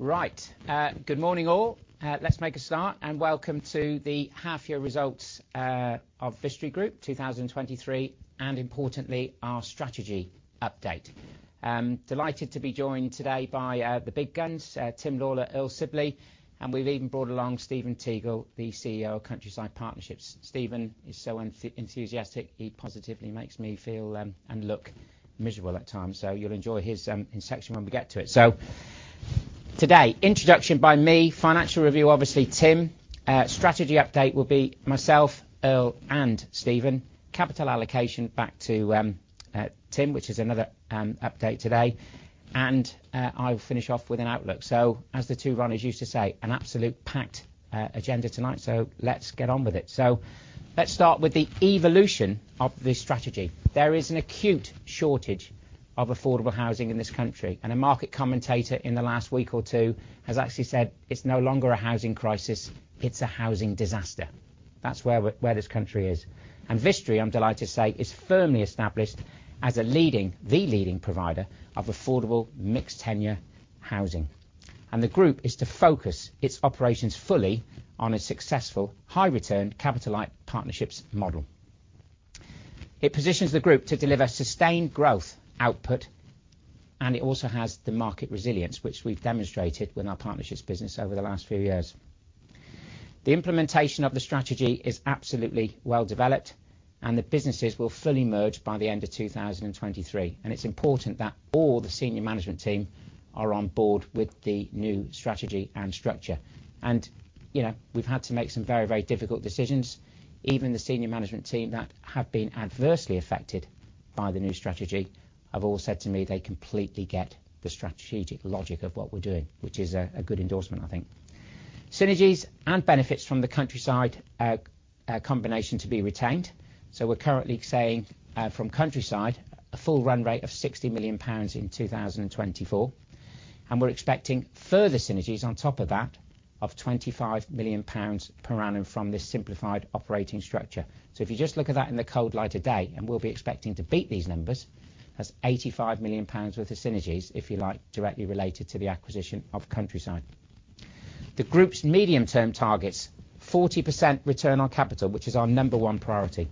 Right. Good morning, all. Let's make a start, and welcome to the half year results of Vistry Group 2023, and importantly, our strategy update. Delighted to be joined today by the big guns, Tim Lawlor, Earl Sibley, and we've even brought along Stephen Teagle, the CEO of Countryside Partnerships. Stephen is so enthusiastic, he positively makes me feel and look miserable at times. So you'll enjoy his section when we get to it. So today, introduction by me, financial review, obviously, Tim. Strategy update will be myself, Earl, and Stephen. Capital allocation back to Tim, which is another update today, and I'll finish off with an outlook. So as the two runners used to say, "An absolute packed agenda tonight," so let's get on with it. So let's start with the evolution of this strategy. There is an acute shortage of affordable housing in this country, and a market commentator in the last week or two has actually said, "It's no longer a housing crisis, it's a housing disaster." That's where we, where this country is. Vistry, I'm delighted to say, is firmly established as a leading, the leading provider of affordable mixed tenure housing. The group is to focus its operations fully on a successful, high return, capital light partnerships model. It positions the group to deliver sustained growth output, and it also has the market resilience, which we've demonstrated with our Partnerships business over the last few years. The implementation of the strategy is absolutely well developed, and the businesses will fully merge by the end of 2023. It's important that all the senior management team are on board with the new strategy and structure. You know, we've had to make some very, very difficult decisions. Even the senior management team that have been adversely affected by the new strategy, have all said to me they completely get the strategic logic of what we're doing, which is a good endorsement, I think. Synergies and benefits from the Countryside combination to be retained. So we're currently saying from Countryside, a full run rate of 60 million pounds in 2024, and we're expecting further synergies on top of that, of 25 million pounds per annum from this simplified operating structure. So if you just look at that in the cold light today, and we'll be expecting to beat these numbers, that's 85 million pounds worth of synergies, if you like, directly related to the acquisition of Countryside. The group's medium-term targets, 40% return on capital, which is our number one priority.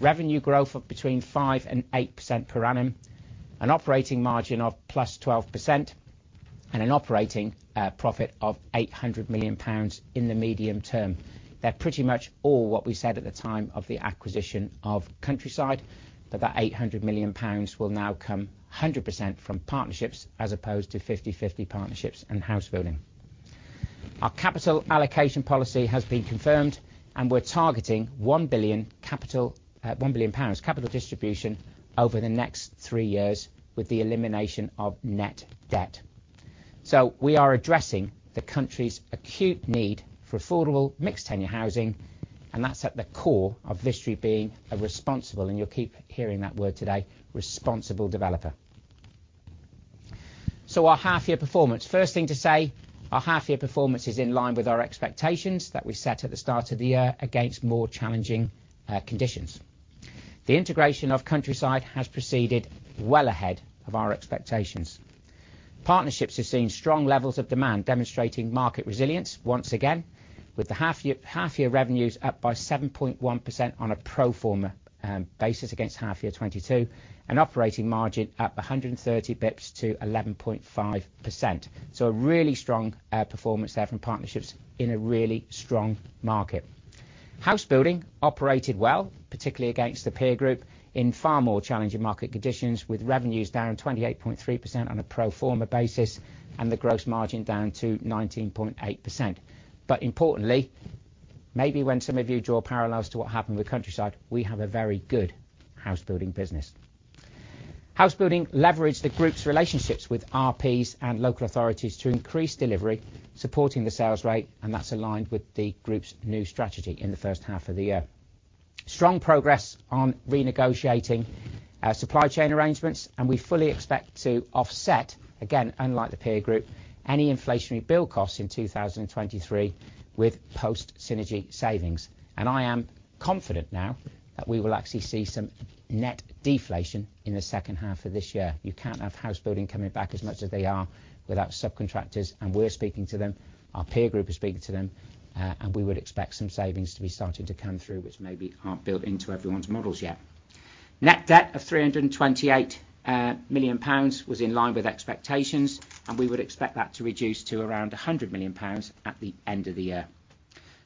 Revenue growth of between 5% and 8% per annum, an operating margin of +12%, and an operating profit of 800 million pounds in the medium term. They're pretty much all what we said at the time of the acquisition of Countryside, but that 800 million pounds will now come 100% from Partnerships, as opposed to 50/50 Partnerships and Housebuilding. Our capital allocation policy has been confirmed, and we're targeting one billion capital, 1 billion pounds capital distribution over the next three years with the elimination of net debt. So we are addressing the country's acute need for affordable mixed tenure housing, and that's at the core of Vistry being a responsible, and you'll keep hearing that word today, responsible developer. So our half year performance. First thing to say, our half year performance is in line with our expectations that we set at the start of the year against more challenging conditions. The integration of Countryside has proceeded well ahead of our expectations. Partnerships have seen strong levels of demand, demonstrating market resilience once again, with the half year revenues up by 7.1% on a pro forma basis against half year 2022, and operating margin up 130 basis points to 11.5%. So a really strong performance there from Partnerships in a really strong market. Housebuilding operated well, particularly against the peer group, in far more challenging market conditions, with revenues down 28.3% on a pro forma basis and the gross margin down to 19.8%. But importantly, maybe when some of you draw parallels to what happened with Countryside, we have a very good Housebuilding business. Housebuilding leveraged the group's relationships with RPs and local authorities to increase delivery, supporting the sales rate, and that's aligned with the group's new strategy in the first half of the year. Strong progress on renegotiating supply chain arrangements, and we fully expect to offset, again, unlike the peer group, any inflationary build costs in 2023 with post-synergy savings. And I am confident now that we will actually see some net deflation in the second half of this year. You can't have Housebuilding coming back as much as they are without subcontractors, and we're speaking to them, our peer group is speaking to them, and we would expect some savings to be starting to come through, which maybe aren't built into everyone's models yet. Net debt of 328 million pounds was in line with expectations, and we would expect that to reduce to around 100 million pounds at the end of the year.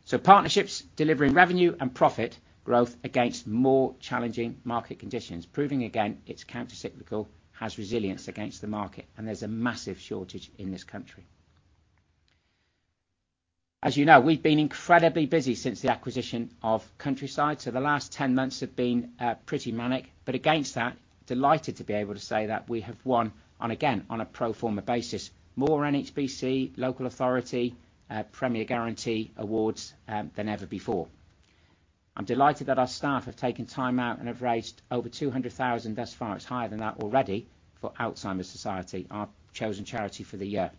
So Partnerships delivering revenue and profit growth against more challenging market conditions, proving again, it's countercyclical, has resilience against the market, and there's a massive shortage in this country. As you know, we've been incredibly busy since the acquisition of Countryside, so the last 10 months have been pretty manic. But against that, delighted to be able to say that we have won on, again, on a pro forma basis, more NHBC, local authority, Premier Guarantee awards than ever before. I'm delighted that our staff have taken time out and have raised over 200,000 thus far. It's higher than that already for Alzheimer's Society, our chosen charity for the year.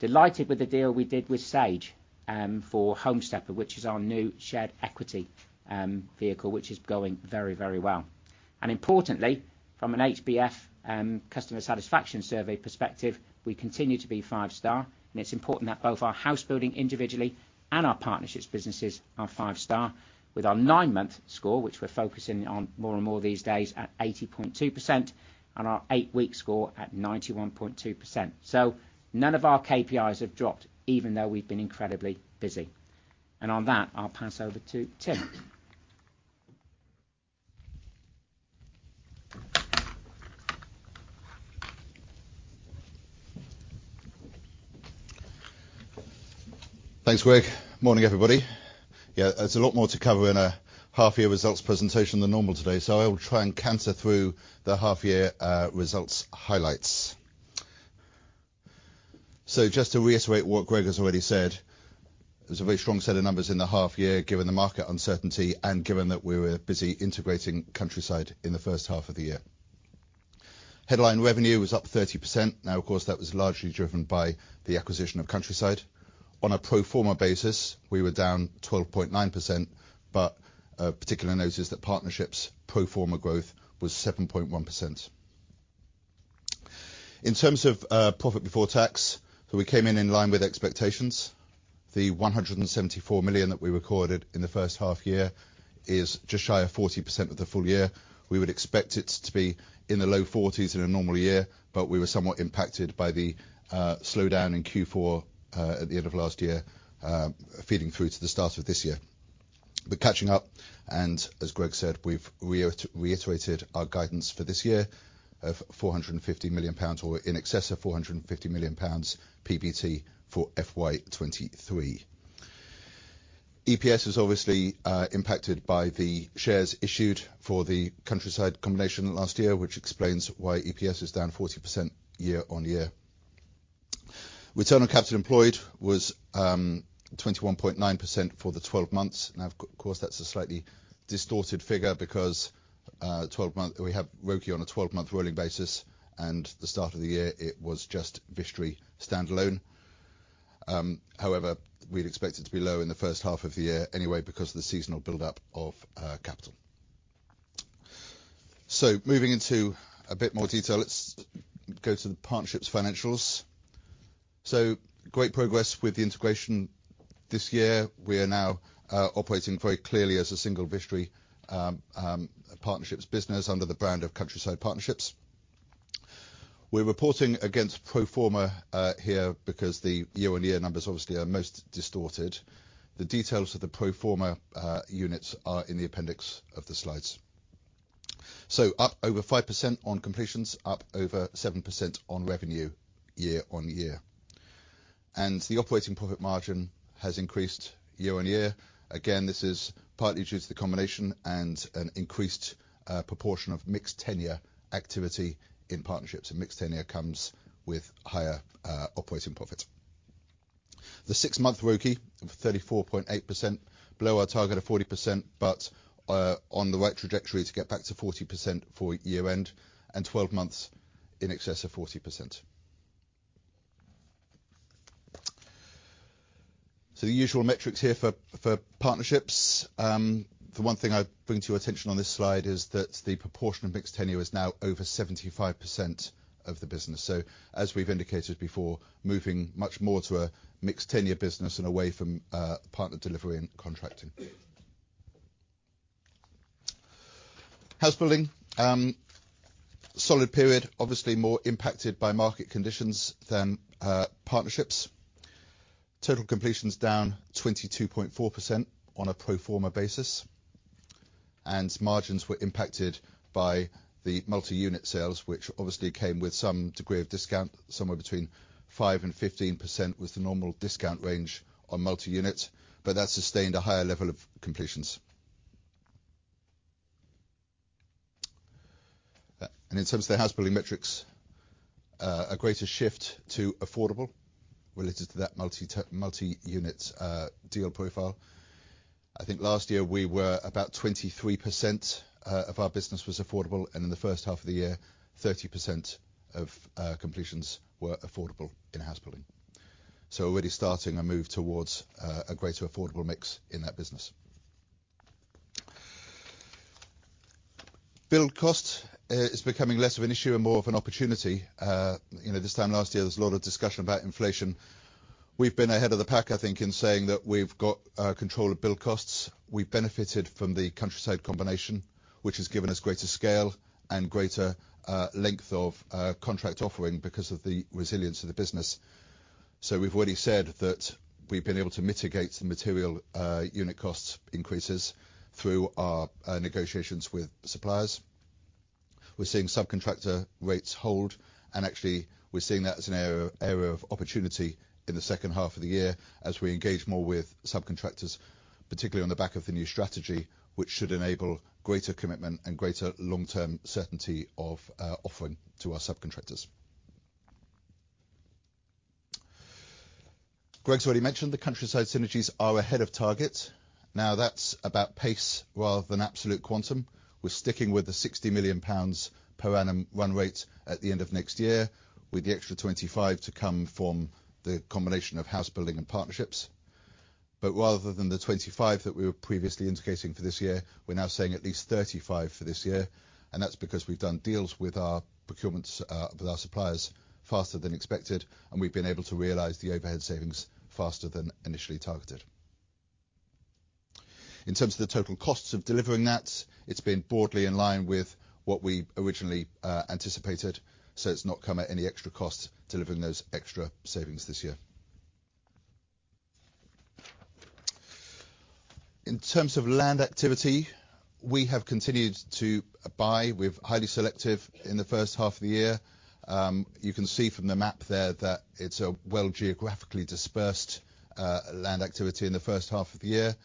Delighted with the deal we did with Sage for Home Stepper, which is our new shared equity vehicle, which is going very, very well. And importantly, from an HBF customer satisfaction survey perspective, we continue to be five star, and it's important that both our Housebuilding individually and our Partnerships businesses are five star, with our nine-month score, which we're focusing on more and more these days, at 80.2%, and our eight-week score at 91.2%. None of our KPIs have dropped, even though we've been incredibly busy. On that, I'll pass over to Tim. Thanks, Greg. Morning, everybody. Yeah, there's a lot more to cover in our half-year results presentation than normal today, so I will try and canter through the half-year results highlights. So just to reiterate what Greg has already said, there's a very strong set of numbers in the half-year, given the market uncertainty and given that we were busy integrating Countryside in the first half of the year. Headline revenue was up 30%. Now, of course, that was largely driven by the acquisition of Countryside. On a pro forma basis, we were down 12.9%, but particular notice that Partnerships pro forma growth was 7.1%. In terms of profit before tax, so we came in in line with expectations. The 174 million that we recorded in the first half year is just shy of 40% of the full year. We would expect it to be in the low 40s in a normal year, but we were somewhat impacted by the slowdown in Q4 at the end of last year feeding through to the start of this year. But catching up, and as Greg said, we've reiterated our guidance for this year of 450 million pounds, or in excess of 450 million pounds PBT for FY 2023. EPS is obviously impacted by the shares issued for the Countryside combination last year, which explains why EPS is down 40% year-on-year. Return on capital employed was 21.9% for the 12 months. Now, of course, that's a slightly distorted figure because 12-month. We have ROCE on a 12-month rolling basis, and the start of the year, it was just Vistry standalone. However, we'd expect it to be low in the first half of the year anyway because of the seasonal buildup of capital. So moving into a bit more detail, let's go to the Partnerships financials. So, great progress with the integration this year. We are now operating very clearly as a single Vistry Partnerships business under the brand of Countryside Partnerships. We're reporting against pro forma here, because the year-on-year numbers obviously are most distorted. The details of the pro forma units are in the appendix of the slides. So up over 5% on completions, up over 7% on revenue year-on-year. The operating profit margin has increased year-over-year. Again, this is partly due to the combination and an increased proportion of mixed tenure activity in Partnerships. Mixed tenure comes with higher operating profit. The six-month ROCE of 34.8%, below our target of 40%, but on the right trajectory to get back to 40% for year-end and 12 months in excess of 40%. So the usual metrics here for Partnerships. The one thing I'd bring to your attention on this slide is that the proportion of mixed tenure is now over 75% of the business. So as we've indicated before, moving much more to a mixed tenure business and away from Partner Delivery and Contracting. Housebuilding solid period, obviously more impacted by market conditions than Partnerships. Total completions down 22.4% on a pro forma basis, and margins were impacted by the multi-unit sales, which obviously came with some degree of discount. Somewhere between 5% and 15% was the normal discount range on multi-unit, but that sustained a higher level of completions. And in terms of the Housebuilding metrics, a greater shift to affordable related to that multi-unit deal profile. I think last year we were about 23% of our business was affordable, and in the first half of the year, 30% of completions were affordable in Housebuilding. So already starting a move towards a greater affordable mix in that business. Build cost is becoming less of an issue and more of an opportunity. You know, this time last year, there was a lot of discussion about inflation. We've been ahead of the pack, I think, in saying that we've got control of build costs. We've benefited from the Countryside combination, which has given us greater scale and greater length of contract offering because of the resilience of the business. So we've already said that we've been able to mitigate the material unit cost increases through our negotiations with suppliers. We're seeing subcontractor rates hold, and actually, we're seeing that as an area of opportunity in the second half of the year as we engage more with subcontractors, particularly on the back of the new strategy, which should enable greater commitment and greater long-term certainty of our offering to our subcontractors. Greg's already mentioned the Countryside synergies are ahead of target. Now, that's about pace rather than absolute quantum. We're sticking with the 60 million pounds per annum run rate at the end of next year, with the extra 25 million to come from the combination of Housebuilding and Partnerships. But rather than the 25 that we were previously indicating for this year, we're now saying at least 35 million for this year, and that's because we've done deals with our procurements, with our suppliers faster than expected, and we've been able to realize the overhead savings faster than initially targeted. In terms of the total costs of delivering that, it's been broadly in line with what we originally anticipated. So it's not come at any extra cost, delivering those extra savings this year. In terms of land activity, we have continued to buy with highly selective in the first half of the year. You can see from the map there that it's a well geographically dispersed land activity in the first half of the year.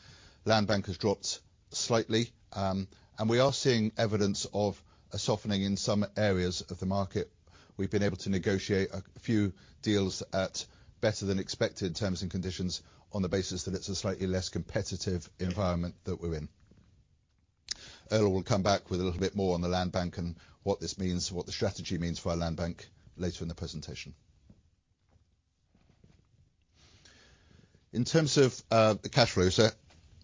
Land bank has dropped slightly, and we are seeing evidence of a softening in some areas of the market. We've been able to negotiate a few deals at better-than-expected terms and conditions on the basis that it's a slightly less competitive environment that we're in. Earl will come back with a little bit more on the land bank and what this means, what the strategy means for our land bank later in the presentation. In terms of the cash flows, so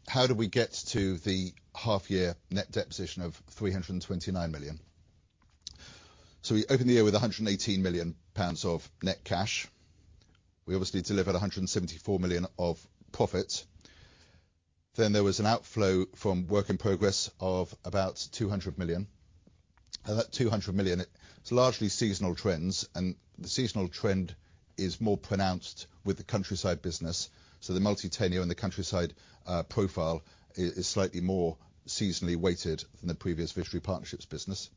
how do we get to the half-year net debt position of 329 million? We opened the year with 118 million pounds of net cash. We obviously delivered 174 million of profit. Then, there was an outflow from work in progress of about 200 million, and that 200 million, it's largely seasonal trends, and the seasonal trend is more pronounced with the Countryside business, so the multi-tenure and the Countryside profile is slightly more seasonally weighted than the previous Vistry Partnerships business.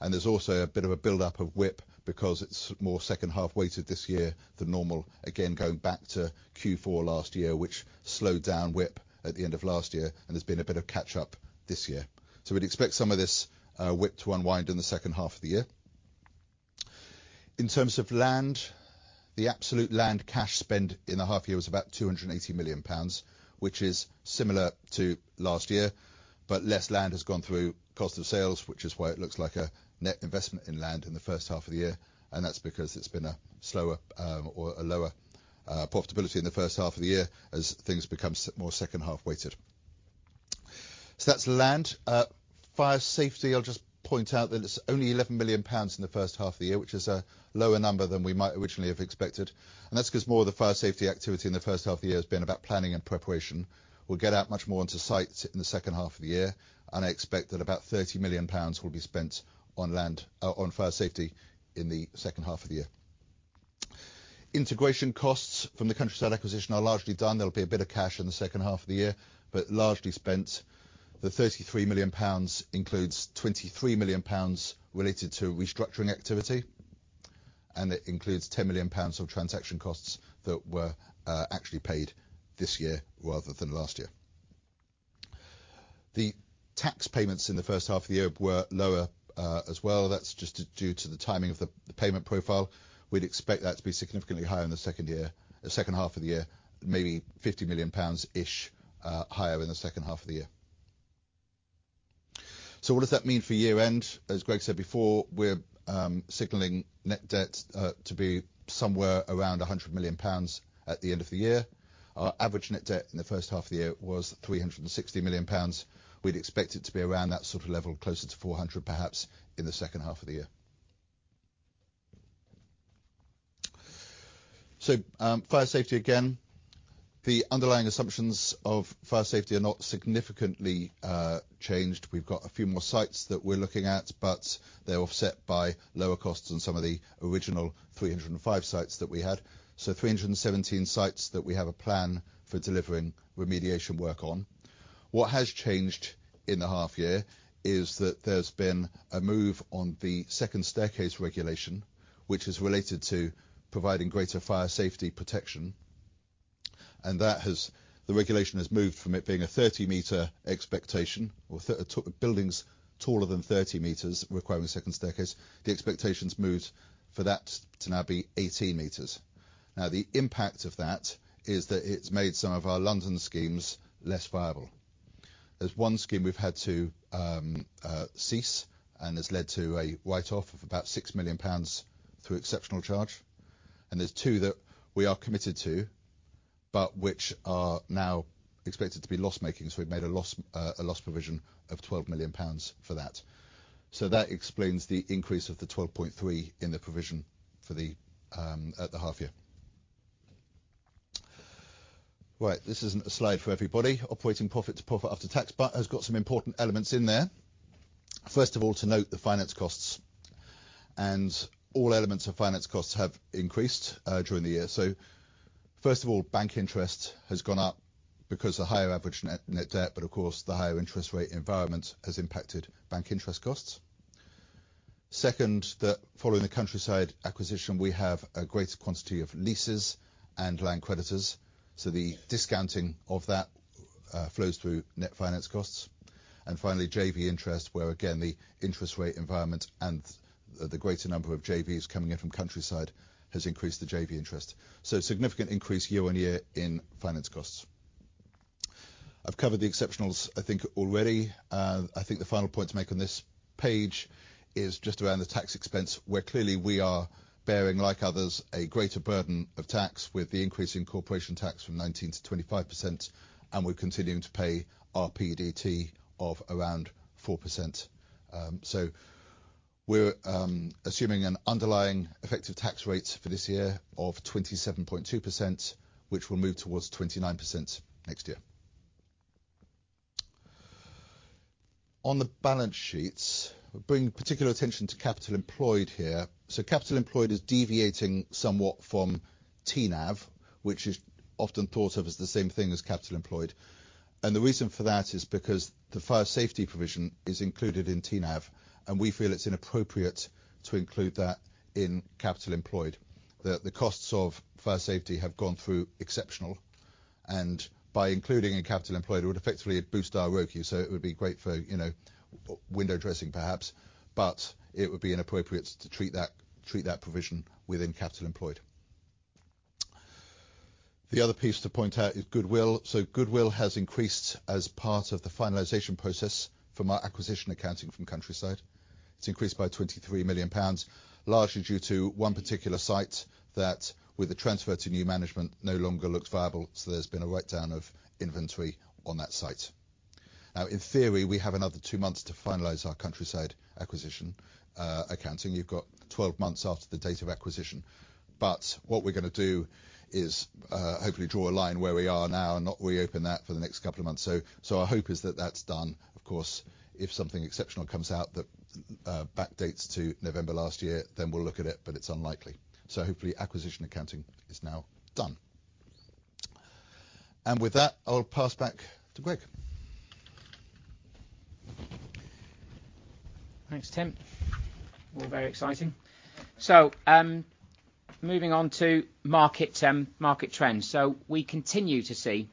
And there's also a bit of a buildup of WIP because it's more second half-weighted this year than normal. Again, going back to Q4 last year, which slowed down WIP at the end of last year, and there's been a bit of catch-up this year. So we'd expect some of this WIP to unwind in the second half of the year. In terms of land, the absolute land cash spend in the half year was about 280 million pounds, which is similar to last year, but less land has gone through cost of sales, which is why it looks like a net investment in land in the first half of the year, and that's because it's been a slower, or a lower, profitability in the first half of the year as things become more second half-weighted. So that's land. Fire safety, I'll just point out that it's only 11 million pounds in the first half of the year, which is a lower number than we might originally have expected, and that's 'cause more of the fire safety activity in the first half of the year has been about planning and preparation. We'll get out much more onto sites in the second half of the year, and I expect that about 30 million pounds will be spent on land, on fire safety in the second half of the year. Integration costs from the Countryside acquisition are largely done. There'll be a bit of cash in the second half of the year, but largely spent. The 33 million pounds includes 23 million pounds related to restructuring activity, and it includes 10 million pounds of transaction costs that were actually paid this year rather than last year. The tax payments in the first half of the year were lower, as well. That's just due to the timing of the payment profile. We'd expect that to be significantly higher in the second year, the second half of the year, maybe 50 million pounds-ish higher in the second half of the year. So what does that mean for year end? As Greg said before, we're signaling net debt to be somewhere around 100 million pounds at the end of the year. Our average net debt in the first half of the year was 360 million pounds. We'd expect it to be around that sort of level, closer to 400 million, perhaps, in the second half of the year. So, fire safety again. The underlying assumptions of fire safety are not significantly changed. We've got a few more sites that we're looking at, but they're offset by lower costs than some of the original 305 sites that we had. So 317 sites that we have a plan for delivering remediation work on. What has changed in the half year is that there's been a move on the second staircase regulation, which is related to providing greater fire safety protection, and that has. The regulation has moved from it being a 30-meter expectation, or buildings taller than 30 meters requiring second staircase, the expectation's moved for that to now be 18 meters. Now, the impact of that is that it's made some of our London schemes less viable. There's one scheme we've had to cease, and has led to a write-off of about 6 million pounds through exceptional charge, and there's two that we are committed to, but which are now expected to be loss-making, so we've made a loss provision of 12 million pounds for that. So that explains the increase of the 12.3 in the provision for the at the half year. Right, this isn't a slide for everybody. Operating profit to profit after tax, but has got some important elements in there. First of all, to note the finance costs, and all elements of finance costs have increased during the year. So first of all, bank interest has gone up because the higher average net, net debt, but of course, the higher interest rate environment has impacted bank interest costs. Second, following the Countryside acquisition, we have a greater quantity of leases and land creditors, so the discounting of that flows through net finance costs, and finally, JV interest, where again, the interest rate environment and the greater number of JVs coming in from Countryside has increased the JV interest. So significant increase year-on-year in finance costs. I've covered the exceptionals, I think already. I think the final point to make on this page is just around the tax expense, where clearly we are bearing, like others, a greater burden of tax with the increase in corporation tax from 19%-25%, and we're continuing to pay our PDT of around 4%. So we're assuming an underlying effective tax rate for this year of 27.2%, which will move towards 29% next year. On the balance sheets, bring particular attention to capital employed here. So capital employed is deviating somewhat from TNAV, which is often thought of as the same thing as capital employed. And the reason for that is because the fire safety provision is included in TNAV, and we feel it's inappropriate to include that in capital employed. The costs of fire safety have gone through exceptional, and by including in capital employed, it would effectively boost our ROCE. So it would be great for, you know, window dressing perhaps, but it would be inappropriate to treat that, treat that provision within capital employed. The other piece to point out is goodwill. So goodwill has increased as part of the finalization process from our acquisition accounting from Countryside. It's increased by 23 million pounds, largely due to one particular site that, with the transfer to new management, no longer looks viable, so there's been a writedown of inventory on that site. Now, in theory, we have another two months to finalize our Countryside acquisition accounting. You've got 12 months after the date of acquisition, but what we're gonna do is, hopefully draw a line where we are now and not reopen that for the next couple of months. So, so our hope is that that's done. Of course, if something exceptional comes out that, backdates to November last year, then we'll look at it, but it's unlikely. So hopefully acquisition accounting is now done. And with that, I'll pass back to Greg. Thanks, Tim. All very exciting. So, moving on to market, market trends. So we continue to see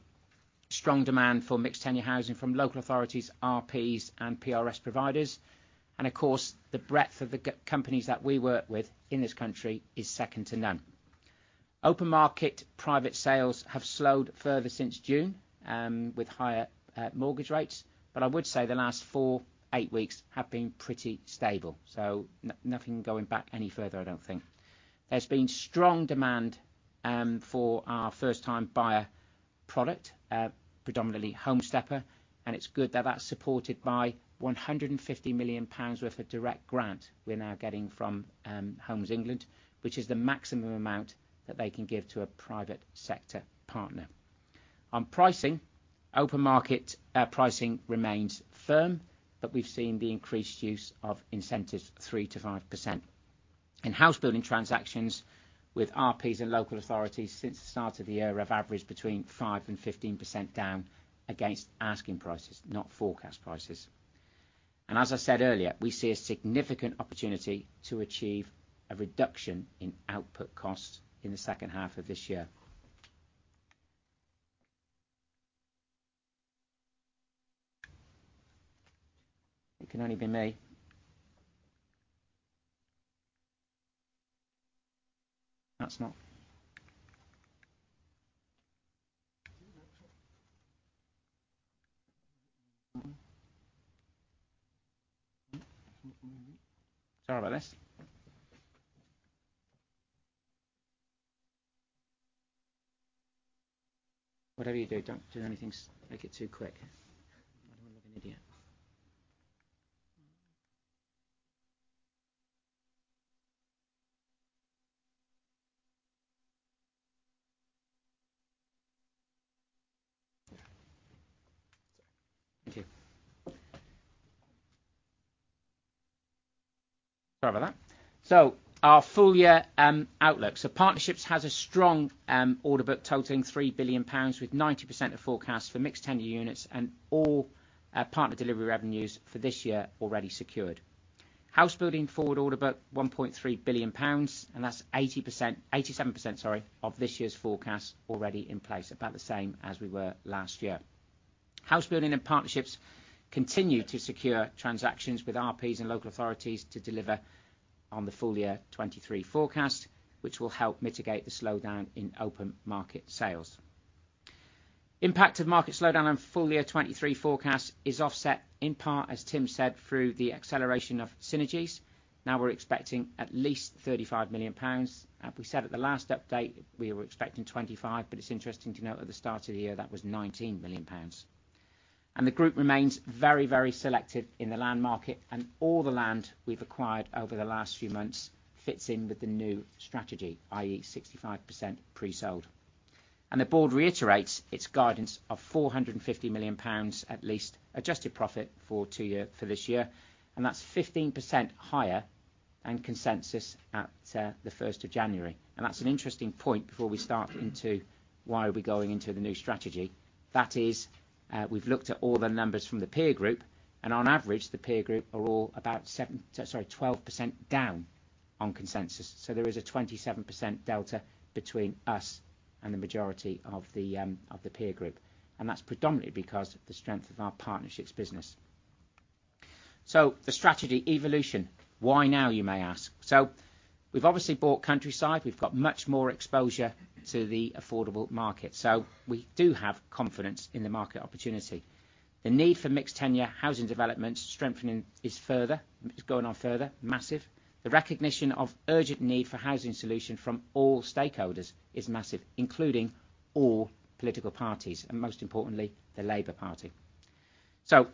strong demand for mixed tenure housing from local authorities, RPs, and PRS providers. And of course, the breadth of the companies that we work with in this country is second to none. Open market private sales have slowed further since June, with higher mortgage rates, but I would say the last four to eight weeks have been pretty stable, so nothing going back any further, I don't think. There's been strong demand for our first-time buyer product, predominantly Home Stepper, and it's good that that's supported by 150 million pounds worth of direct grant we're now getting from Homes England, which is the maximum amount that they can give to a private sector partner. On pricing, open market pricing remains firm, but we've seen the increased use of incentives 3%-5%. In Housebuilding transactions with RPs and local authorities since the start of the year have averaged between 5%-15% down against asking prices, not forecast prices. And as I said earlier, we see a significant opportunity to achieve a reduction in output costs in the second half of this year. It can only be me. That's not. Sorry about this. Whatever you do, don't do anything make it too quick. I don't want to look an idiot. Yeah. Sorry. Thank you. Sorry about that. So our full year outlook. So Partnerships has a strong order book totaling 3 billion pounds, with 90% of forecasts for mixed tenure units and all Partner Delivery revenues for this year already secured. Housebuilding forward order book, 1.3 billion pounds, and that's 80%, 87%, sorry, 87% of this year's forecast already in place, about the same as we were last year. Housebuilding and Partnerships continue to secure transactions with RPs and local authorities to deliver on the full year 2023 forecast, which will help mitigate the slowdown in open market sales. Impact of market slowdown and full year 2023 forecast is offset, in part, as Tim said, through the acceleration of synergies. Now we're expecting at least 35 million pounds. We said at the last update, we were expecting 25, but it's interesting to note at the start of the year, that was 19 million pounds. The group remains very, very selective in the land market, and all the land we've acquired over the last few months fits in with the new strategy, i.e., 65% pre-sold. The board reiterates its guidance of 450 million pounds, at least adjusted profit for the year, for this year, and that's 15% higher than consensus at the first of January. That's an interesting point before we start into why are we going into the new strategy. That is, we've looked at all the numbers from the peer group, and on average, the peer group are all about seven, sorry, 12% down on consensus. So there is a 27% delta between us and the majority of the peer group, and that's predominantly because of the strength of our Partnerships business. So the strategy evolution. Why now, you may ask? So we've obviously bought Countryside. We've got much more exposure to the affordable market, so we do have confidence in the market opportunity. The need for mixed tenure housing developments strengthening is further, is going on further, massive. The recognition of urgent need for housing solution from all stakeholders is massive, including all political parties, and most importantly, the Labour Party. So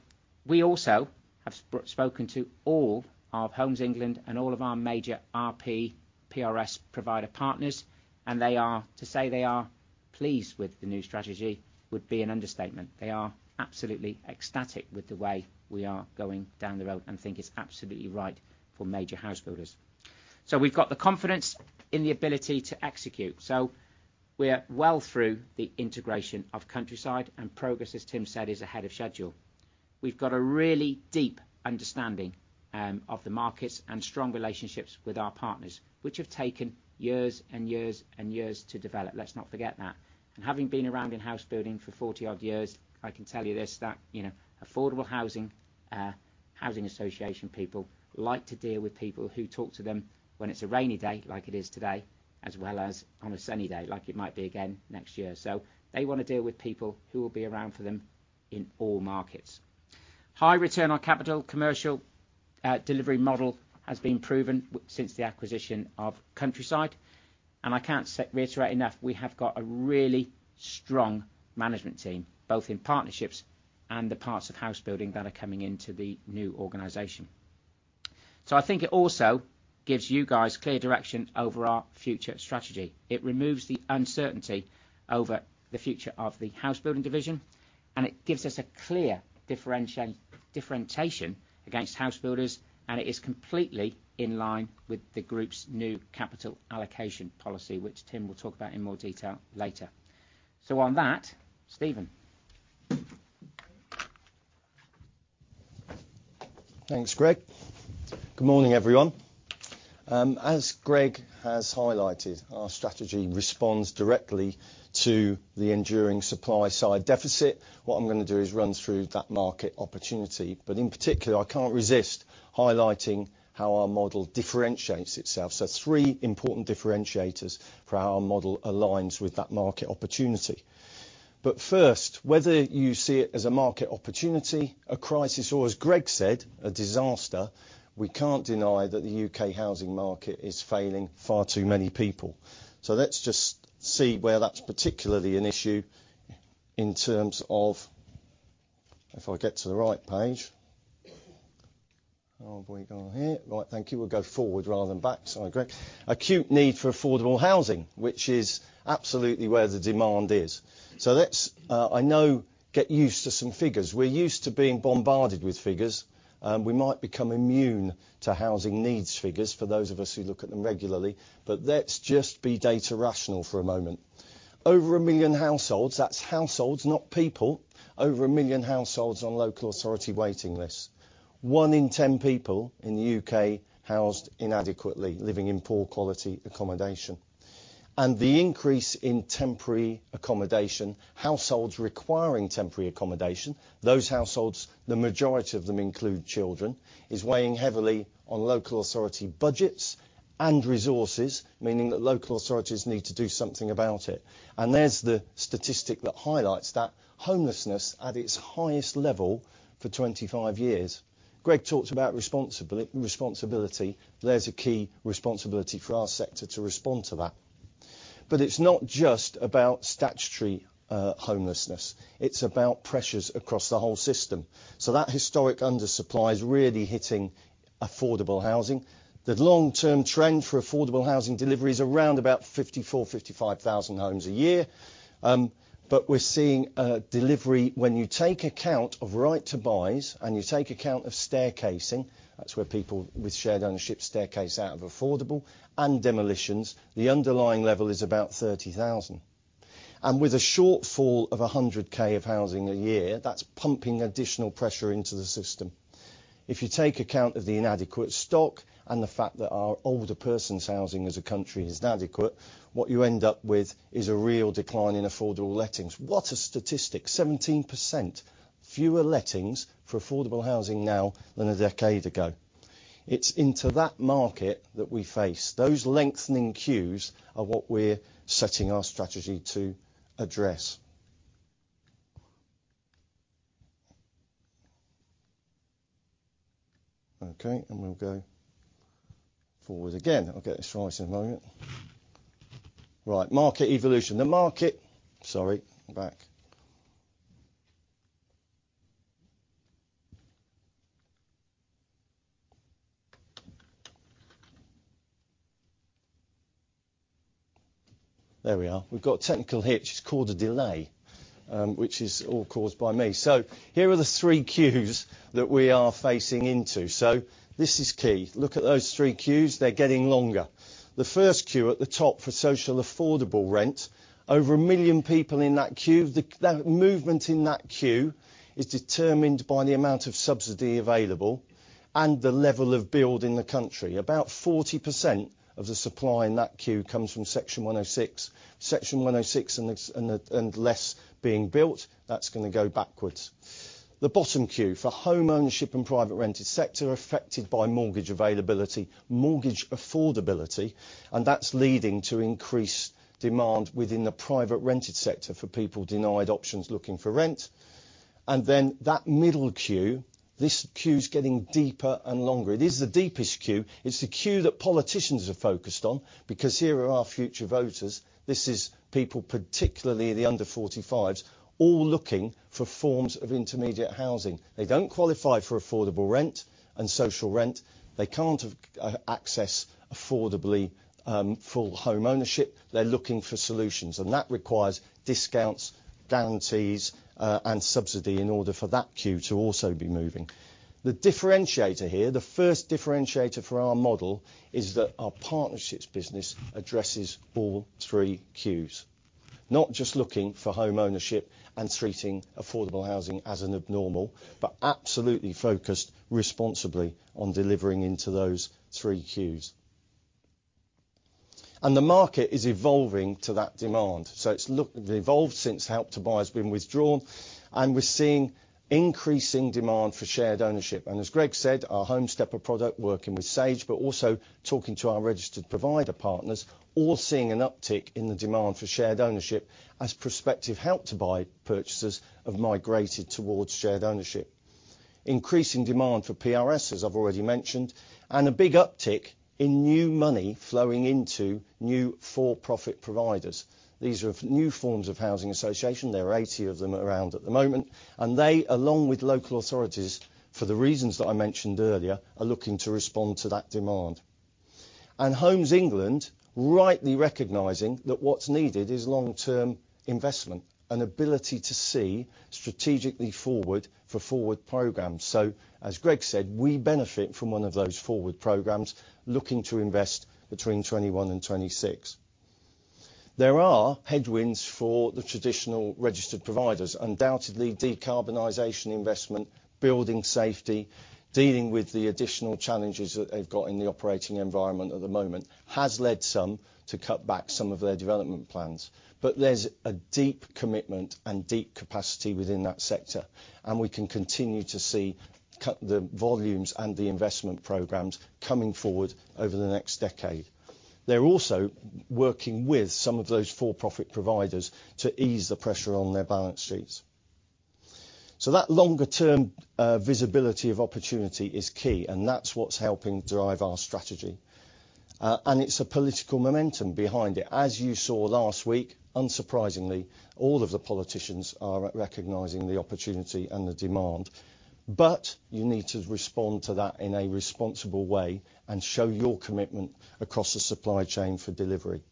we also have spoken to all of Homes England and all of our major RP, PRS provider partners, and they are. To say they are pleased with the new strategy would be an understatement. They are absolutely ecstatic with the way we are going down the road and think it's absolutely right for major house builders. So we've got the confidence in the ability to execute. So we're well through the integration of Countryside, and progress, as Tim said, is ahead of schedule. We've got a really deep understanding of the markets and strong relationships with our partners, which have taken years and years and years to develop. Let's not forget that. Having been around in Housebuilding for 40-odd years, I can tell you this, that, you know, affordable housing, housing association people like to deal with people who talk to them when it's a rainy day, like it is today, as well as on a sunny day, like it might be again next year. So they want to deal with people who will be around for them in all markets. High return on capital, commercial, delivery model has been proven since the acquisition of Countryside, and I can't say, reiterate enough, we have got a really strong management team, both in Partnerships and the parts of Housebuilding that are coming into the new organization. So I think it also gives you guys clear direction over our future strategy. It removes the uncertainty over the future of the Housebuilding division, and it gives us a clear differentiation against house builders, and it is completely in line with the group's new capital allocation policy, which Tim will talk about in more detail later. So on that, Stephen. Thanks, Greg. Good morning, everyone. As Greg has highlighted, our strategy responds directly to the enduring supply side deficit. What I'm gonna do is run through that market opportunity, but in particular, I can't resist highlighting how our model differentiates itself. So three important differentiators for how our model aligns with that market opportunity. But first, whether you see it as a market opportunity, a crisis, or, as Greg said, a disaster, we can't deny that the U.K. housing market is failing far too many people. So let's just see where that's particularly an issue in terms of. If I get to the right page. On we go here. Right, thank you. We'll go forward rather than back, sorry, Greg. Acute need for affordable housing, which is absolutely where the demand is. So let's, I know, get used to some figures. We're used to being bombarded with figures, we might become immune to housing needs figures, for those of us who look at them regularly, but let's just be data rational for a moment. Over 1 million households, that's households, not people, over 1 million households on local authority waiting lists. One in 10 people in the U.K. housed inadequately, living in poor quality accommodation. And the increase in temporary accommodation, households requiring temporary accommodation, those households, the majority of them include children, is weighing heavily on local authority budgets and resources, meaning that local authorities need to do something about it. And there's the statistic that highlights that, homelessness at its highest level for 25 years. Greg talked about responsibility. There's a key responsibility for our sector to respond to that. But it's not just about statutory homelessness, it's about pressures across the whole system. So that historic undersupply is really hitting affordable housing. The long-term trend for affordable housing delivery is around about 54,000-55,000 homes a year. But we're seeing delivery, when you take account of right to buys, and you take account of staircasing, that's where people with shared ownership staircase out of affordable and demolitions, the underlying level is about 30,000. And with a shortfall of 100,000 of housing a year, that's pumping additional pressure into the system. If you take account of the inadequate stock and the fact that our older persons housing as a country is inadequate, what you end up with is a real decline in affordable lettings. What a statistic! 17% fewer lettings for affordable housing now than a decade ago. It's into that market that we face. Those lengthening queues are what we're setting our strategy to address. Okay, and we'll go forward again. I'll get this right in a moment. Right, market evolution. The market... Sorry, back. There we are. We've got a technical hitch. It's called a delay, which is all caused by me. So here are the three queues that we are facing into. So this is key. Look at those three queues, they're getting longer. The first queue at the top for social affordable rent, over 1 million people in that queue. That movement in that queue is determined by the amount of subsidy available and the level of build in the country. About 40% of the supply in that queue comes from Section 106. Section 106 and less being built, that's gonna go backwards. The bottom queue, for home ownership and private rented sector, are affected by mortgage availability, mortgage affordability, and that's leading to increased demand within the private rented sector for people denied options, looking for rent. And then that middle queue, this queue is getting deeper and longer. It is the deepest queue. It's the queue that politicians are focused on, because here are our future voters. This is people, particularly the under 45s, all looking for forms of intermediate housing. They don't qualify for affordable rent and social rent. They can't have access affordably for home ownership. They're looking for solutions, and that requires discounts, guarantees, and subsidy in order for that queue to also be moving. The differentiator here, the first differentiator for our model, is that our Partnerships business addresses all three queues. Not just looking for home ownership and treating affordable housing as an abnormal, but absolutely focused responsibly on delivering into those three queues. And the market is evolving to that demand. So it's they've evolved since Help to Buy has been withdrawn, and we're seeing increasing demand for shared ownership. And as Greg said, our Home Stepper product, working with Sage, but also talking to our registered provider partners, all seeing an uptick in the demand for shared ownership as prospective Help to Buy purchasers have migrated towards shared ownership. Increasing demand for PRS, as I've already mentioned, and a big uptick in new money flowing into new, for-profit providers. These are new forms of housing association. There are 80 of them around at the moment, and they, along with local authorities, for the reasons that I mentioned earlier, are looking to respond to that demand. Homes England, rightly recognizing that what's needed is long-term investment and ability to see strategically forward for forward programs. So as Greg said, we benefit from one of those forward programs looking to invest between 2021 and 2026. There are headwinds for the traditional Registered Providers. Undoubtedly, decarbonization investment, building safety, dealing with the additional challenges that they've got in the operating environment at the moment, has led some to cut back some of their development plans. But there's a deep commitment and deep capacity within that sector, and we can continue to see the volumes and the investment programs coming forward over the next decade. They're also working with some of those for-profit providers to ease the pressure on their balance sheets. So that longer term, visibility of opportunity is key, and that's what's helping drive our strategy. And it's a political momentum behind it. As you saw last week, unsurprisingly, all of the politicians are recognizing the opportunity and the demand. But you need to respond to that in a responsible way and show your commitment across the supply chain for delivery.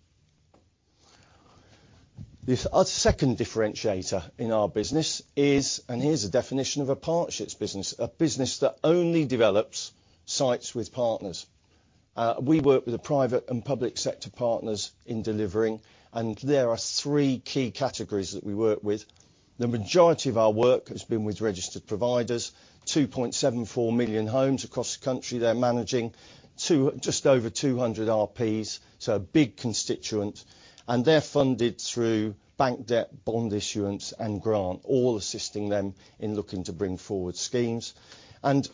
This, second differentiator in our business is, and here's a definition of a Partnerships business, "a business that only develops sites with partners." We work with the private and public sector partners in delivering, and there are three key categories that we work with. The majority of our work has been with Registered Providers, 2.74 million homes across the country. They're managing just over 200 RPs, so a big constituent, and they're funded through bank debt, bond issuance and grant, all assisting them in looking to bring forward schemes.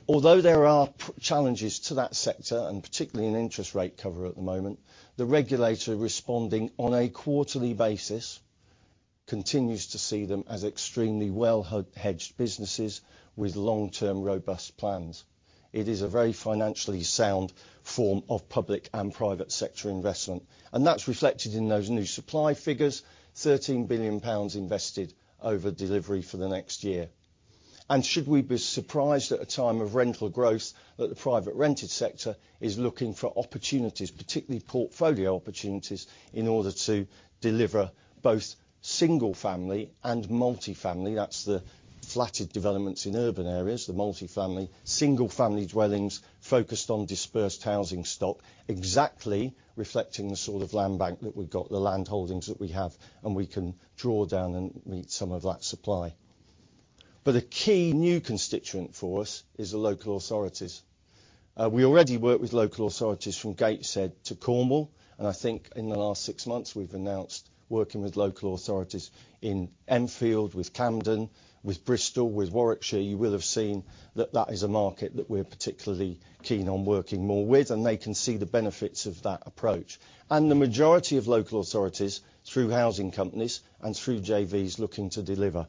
Although there are challenges to that sector, and particularly in interest rate cover at the moment, the regulator responding on a quarterly basis, continues to see them as extremely well hedged businesses with long-term, robust plans. It is a very financially sound form of public and private sector investment, and that's reflected in those new supply figures, 13 billion pounds invested over delivery for the next year. Should we be surprised at a time of rental growth that the private rented sector is looking for opportunities, particularly portfolio opportunities, in order to deliver both Single Family and multifamily? That's the flatted developments in urban areas, the multifamily. Single Family dwellings focused on dispersed housing stock, exactly reflecting the sort of land bank that we've got, the land holdings that we have, and we can draw down and meet some of that supply. But a key new constituent for us is the local authorities. We already work with local authorities, from Gateshead to Cornwall, and I think in the last six months, we've announced working with local authorities in Enfield, with Camden, with Bristol, with Warwickshire. You will have seen that that is a market that we're particularly keen on working more with, and they can see the benefits of that approach. And the majority of local authorities, through housing companies and through JVs, looking to deliver.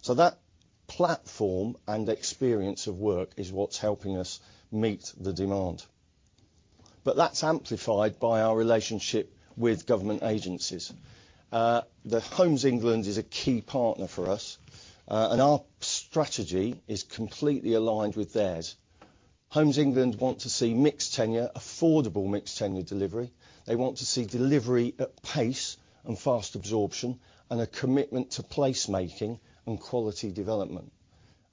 So that platform and experience of work is what's helping us meet the demand. But that's amplified by our relationship with government agencies. Homes England is a key partner for us, and our strategy is completely aligned with theirs. Homes England want to see mixed tenure, affordable mixed tenure delivery. They want to see delivery at pace and fast absorption, and a commitment to placemaking and quality development.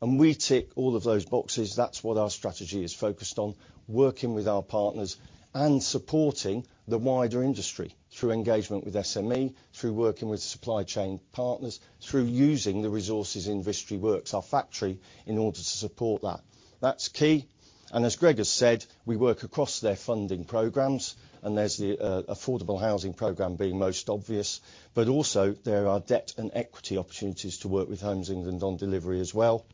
And we tick all of those boxes. That's what our strategy is focused on, working with our partners and supporting the wider industry through engagement with SME, through working with supply chain partners, through using the resources Vistry Works, our factory, in order to support that. That's key, and as Greg has said, we work across their funding programs, and there's the, affordable housing program being most obvious, but also there are debt and equity opportunities to work with Homes England on delivery as well.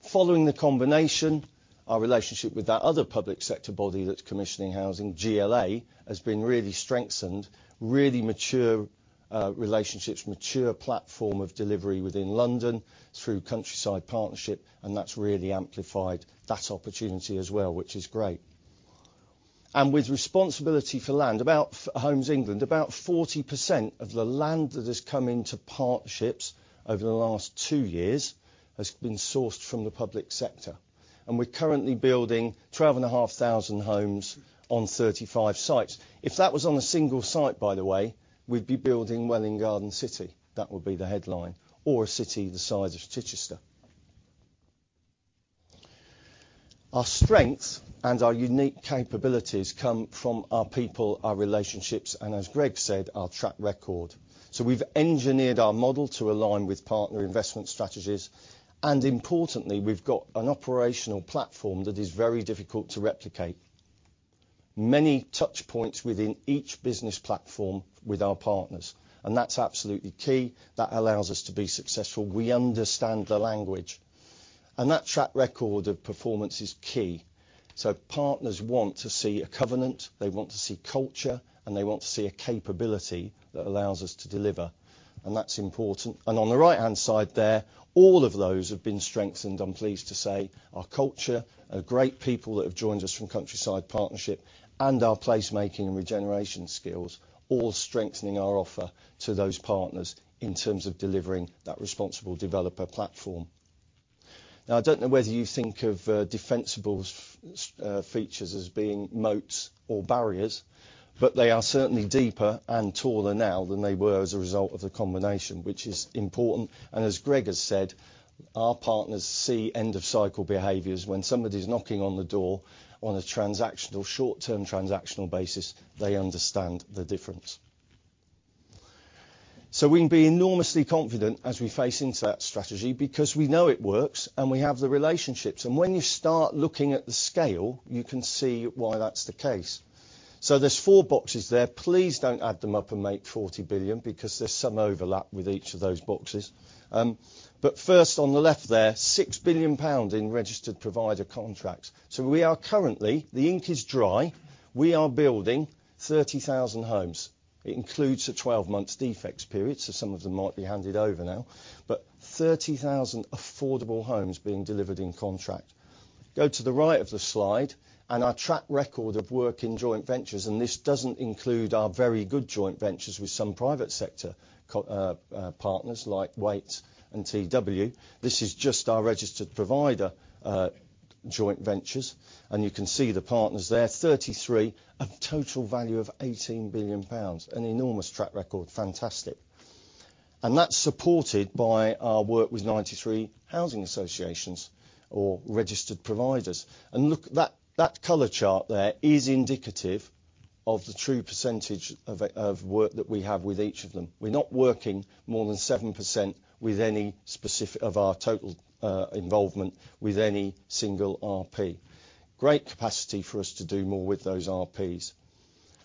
Following the combination, our relationship with that other public sector body that's commissioning housing, GLA, has been really strengthened, really mature, relationships, mature platform of delivery within London through Countryside Partnerships, and that's really amplified that opportunity as well, which is great. With responsibility for land, about Homes England, about 40% of the land that has come into Partnerships over the last two years has been sourced from the public sector, and we're currently building 12,500 homes on 35 sites. If that was on a single site, by the way, we'd be building Welwyn Garden City. That would be the headline, or a city the size of Chichester. Our strength and our unique capabilities come from our people, our relationships, and as Greg said, our track record. So we've engineered our model to align with partner investment strategies, and importantly, we've got an operational platform that is very difficult to replicate. Many touch points within each business platform with our partners, and that's absolutely key. That allows us to be successful. We understand the language, and that track record of performance is key. So partners want to see a covenant, they want to see culture, and they want to see a capability that allows us to deliver, and that's important. And on the right-hand side there, all of those have been strengthened, I'm pleased to say. Our culture, our great people that have joined us from Countryside Partnerships, and our placemaking and regeneration skills, all strengthening our offer to those partners in terms of delivering that responsible developer platform. Now, I don't know whether you think of defensible features as being moats or barriers, but they are certainly deeper and taller now than they were as a result of the combination, which is important. And as Greg has said, our partners see end-of-cycle behaviors. When somebody's knocking on the door on a transactional, short-term transactional basis, they understand the difference. So we can be enormously confident as we face into that strategy because we know it works, and we have the relationships, and when you start looking at the scale, you can see why that's the case. So there's four boxes there. Please don't add them up and make 40 billion, because there's some overlap with each of those boxes. But first, on the left there, 6 billion pounds in registered provider contracts. So we are currently. The ink is dry. We are building 30,000 homes. It includes a 12-month defects period, so some of them might be handed over now, but 30,000 affordable homes being delivered in contract. Go to the right of the slide, and our track record of work in joint ventures, and this doesn't include our very good joint ventures with some private sector partners like Wates and TW. This is just our registered provider joint ventures, and you can see the partners there, 33, a total value of 18 billion pounds. An enormous track record. Fantastic. And that's supported by our work with 93 housing associations or Registered Providers. And look, that, that color chart there is indicative of the true percentage of work that we have with each of them. We're not working more than 7% with any specific of our total involvement with any single RP. Great capacity for us to do more with those RPs.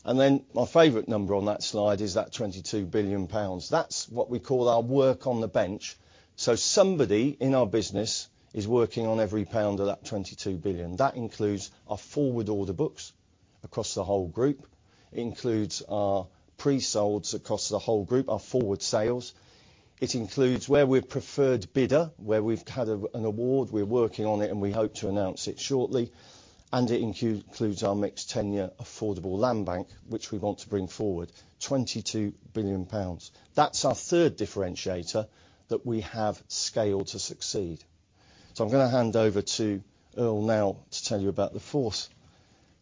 And then my favorite number on that slide is that 22 billion pounds. That's what we call our work on the bench. So somebody in our business is working on every pound of that 22 billion. That includes our forward order books across the whole group. It includes our pre-solds across the whole group, our forward sales. It includes where we're preferred bidder, where we've had an award, we're working on it, and we hope to announce it shortly, and it includes our mixed tenure affordable land bank, which we want to bring forward. 22 billion pounds. That's our third differentiator, that we have scale to succeed. So I'm gonna hand over to Earl now to tell you about the fourth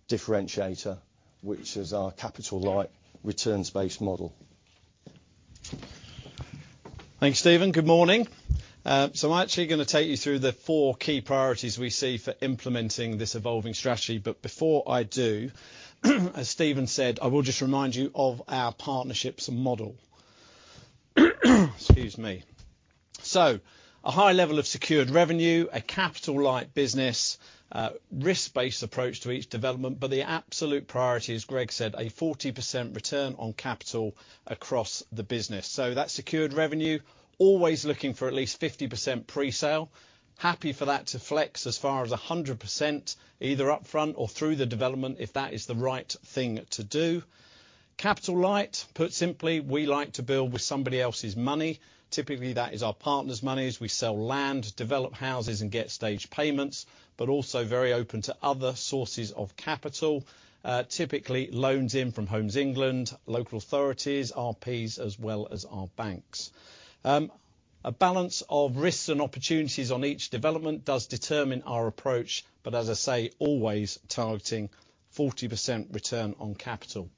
differentiator, which is our capital light returns-based model. Thanks, Stephen. Good morning. So I'm actually gonna take you through the four key priorities we see for implementing this evolving strategy, but before I do, as Stephen said, I will just remind you of our Partnerships and model. Excuse me. So a high level of secured revenue, a capital light business, risk-based approach to each development, but the absolute priority, as Greg said, a 40% return on capital across the business. So that's secured revenue, always looking for at least 50% pre-sale. Happy for that to flex as far as 100%, either up front or through the development, if that is the right thing to do. Capital light, put simply, we like to build with somebody else's money. Typically, that is our partners' monies. We sell land, develop houses, and get stage payments, but also very open to other sources of capital, typically, loans in from Homes England, local authorities, RPs, as well as our banks. A balance of risks and opportunities on each development does determine our approach, but as I say, always targeting 40% return on capital.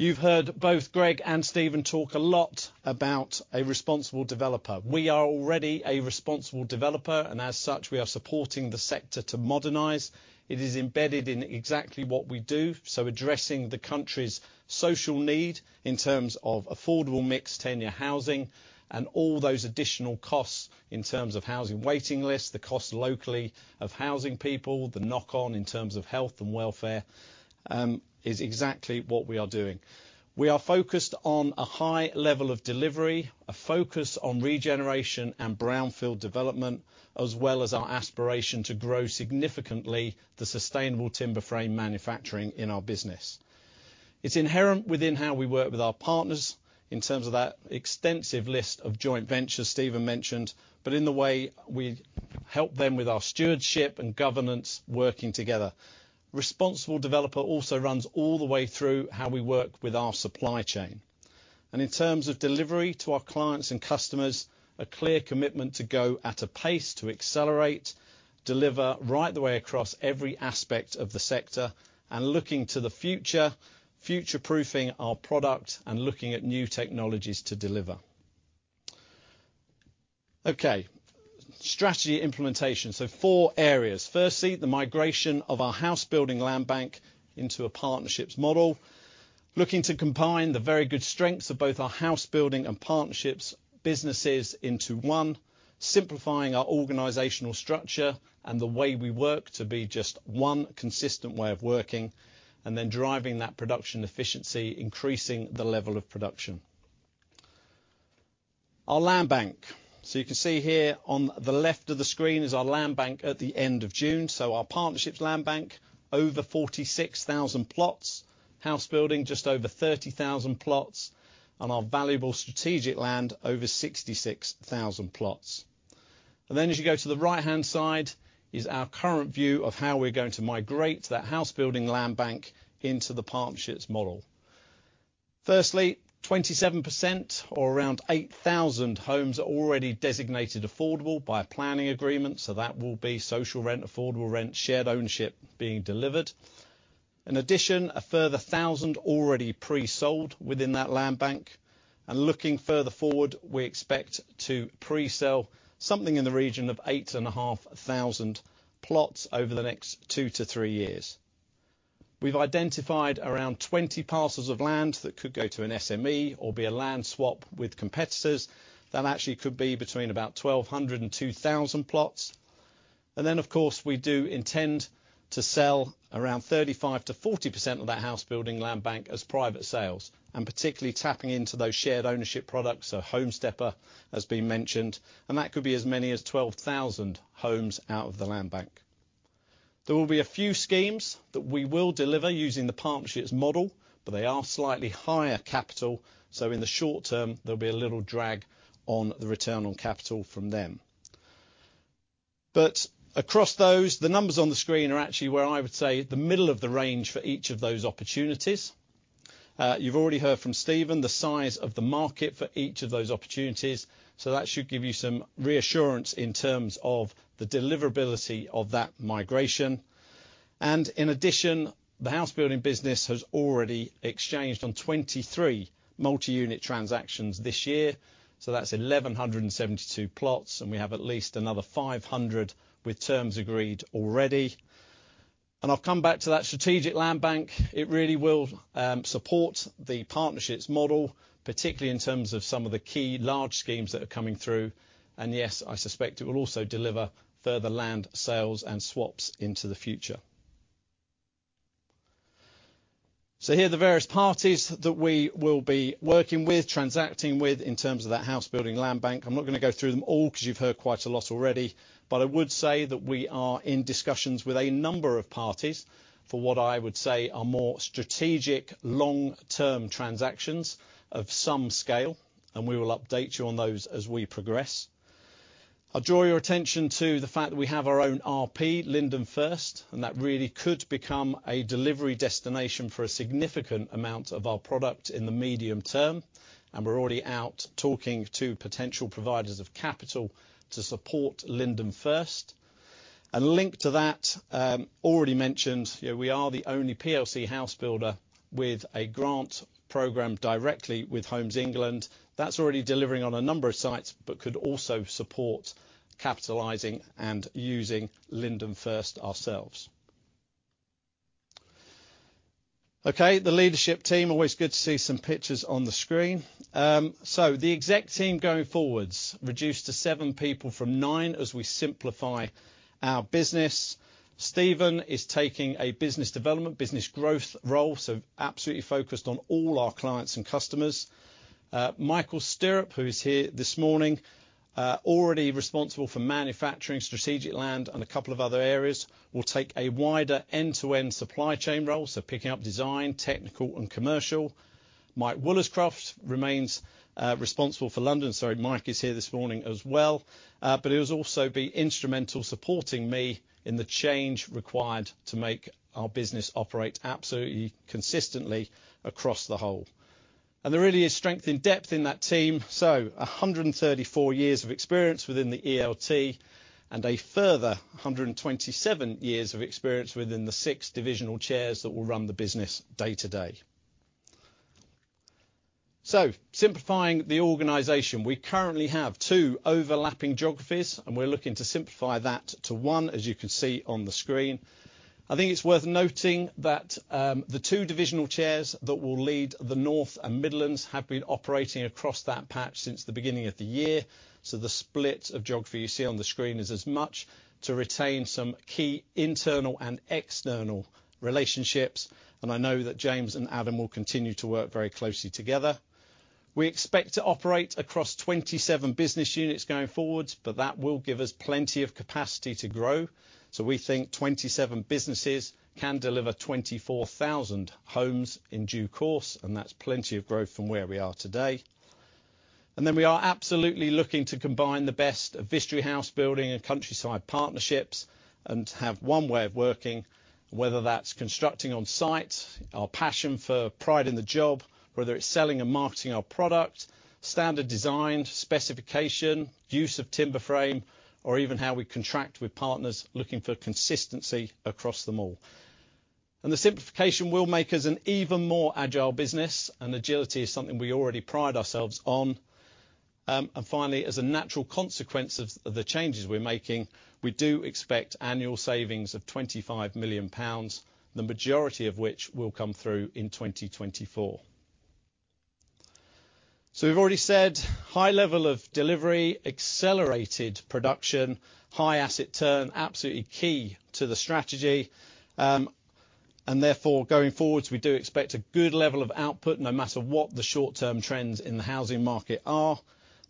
You've heard both Greg and Stephen talk a lot about a responsible developer. We are already a responsible developer, and as such, we are supporting the sector to modernize. It is embedded in exactly what we do, so addressing the country's social need in terms of affordable mixed tenure housing and all those additional costs in terms of housing waiting lists, the cost locally of housing people, the knock-on in terms of health and welfare, is exactly what we are doing. We are focused on a high level of delivery, a focus on regeneration and brownfield development, as well as our aspiration to grow significantly the sustainable timber frame manufacturing in our business. It's inherent within how we work with our partners in terms of that extensive list of joint ventures Stephen mentioned, but in the way we help them with our stewardship and governance working together. Responsible developer also runs all the way through how we work with our supply chain. In terms of delivery to our clients and customers, a clear commitment to go at a pace to accelerate, deliver right the way across every aspect of the sector and looking to the future, future-proofing our product and looking at new technologies to deliver. Okay, strategy implementation, so four areas. Firstly, the migration of our Housebuilding land bank into a partnerships model, looking to combine the very good strengths of both our Housebuilding and Partnerships businesses into one, simplifying our organizational structure and the way we work to be just one consistent way of working, and then driving that production efficiency, increasing the level of production. Our land bank. So you can see here on the left of the screen is our land bank at the end of June, so our Partnerships land bank, over 46,000 plots, Housebuilding, just over 30,000 plots, and our valuable strategic land, over 66,000 plots. And then, as you go to the right-hand side, is our current view of how we're going to migrate that Housebuilding land bank into the Partnerships model. Firstly, 27% or around 8,000 homes are already designated affordable by a planning agreement, so that will be social rent, affordable rent, shared ownership being delivered. In addition, a further 1,000 already pre-sold within that land bank, and looking further forward, we expect to pre-sell something in the region of 8,500 plots over the next two to three years. We've identified around 20 parcels of land that could go to an SME or be a land swap with competitors. That actually could be between about 1,200-2,000 plots. And then, of course, we do intend to sell around 35%-40% of that Housebuilding land bank as private sales, and particularly tapping into those shared ownership products, so Home Stepper has been mentioned, and that could be as many as 12,000 homes out of the land bank. There will be a few schemes that we will deliver using the Partnerships model, but they are slightly higher capital, so in the short term, there'll be a little drag on the return on capital from them. But across those, the numbers on the screen are actually where I would say, the middle of the range for each of those opportunities. You've already heard from Stephen the size of the market for each of those opportunities, so that should give you some reassurance in terms of the deliverability of that migration. And in addition, the Housebuilding business has already exchanged on 23 multi-unit transactions this year, so that's 1,172 plots, and we have at least another 500 with terms agreed already. And I've come back to that strategic land bank. It really will support the Partnerships model, particularly in terms of some of the key large schemes that are coming through. And yes, I suspect it will also deliver further land sales and swaps into the future. So here are the various parties that we will be working with, transacting with, in terms of that Housebuilding land bank. I'm not gonna go through them all because you've heard quite a lot already, but I would say that we are in discussions with a number of parties for what I would say are more strategic, long-term transactions of some scale, and we will update you on those as we progress. I'll draw your attention to the fact that we have our own RP, Linden First, and that really could become a delivery destination for a significant amount of our product in the medium term. We're already out talking to potential providers of capital to support Linden First. A link to that, already mentioned, you know, we are the only PLC house builder with a grant program directly with Homes England. That's already delivering on a number of sites, but could also support capitalizing and using Linden First ourselves. Okay, the leadership team, always good to see some pictures on the screen. So the exec team going forwards, reduced to seven people from nine as we simplify our business. Stephen is taking a business development, business growth role, so absolutely focused on all our clients and customers. Michael Stirrup, who is here this morning, already responsible for manufacturing, strategic land, and a couple of other areas, will take a wider end-to-end supply chain role, so picking up design, technical and commercial. Mike Woolliscroft remains responsible for London. Sorry, Mike is here this morning as well. But he will also be instrumental supporting me in the change required to make our business operate absolutely consistently across the whole. And there really is strength in depth in that team. So 134 years of experience within the ELT, and a further 127 years of experience within the six divisional chairs that will run the business day to day. So simplifying the organization, we currently have two overlapping geographies, and we're looking to simplify that to one, as you can see on the screen. I think it's worth noting that, the two divisional chairs that will lead the North and Midlands have been operating across that patch since the beginning of the year. So the split of geography you see on the screen is as much to retain some key internal and external relationships. I know that James and Adam will continue to work very closely together. We expect to operate across 27 business units going forward, but that will give us plenty of capacity to grow. We think 27 businesses can deliver 24,000 homes in due course, and that's plenty of growth from where we are today. We are absolutely looking to combine the best of Vistry Housebuilding and Countryside Partnerships and have one way of working, whether that's constructing on site, our passion for pride in the job, whether it's selling and marketing our product, standard design, specification, use of timber frame, or even how we contract with partners, looking for consistency across them all. The simplification will make us an even more agile business, and agility is something we already pride ourselves on. And finally, as a natural consequence of the changes we're making, we do expect annual savings of 25 million pounds, the majority of which will come through in 2024. So we've already said, high level of delivery, accelerated production, high asset turn, absolutely key to the strategy. And therefore, going forward, we do expect a good level of output, no matter what the short-term trends in the housing market are.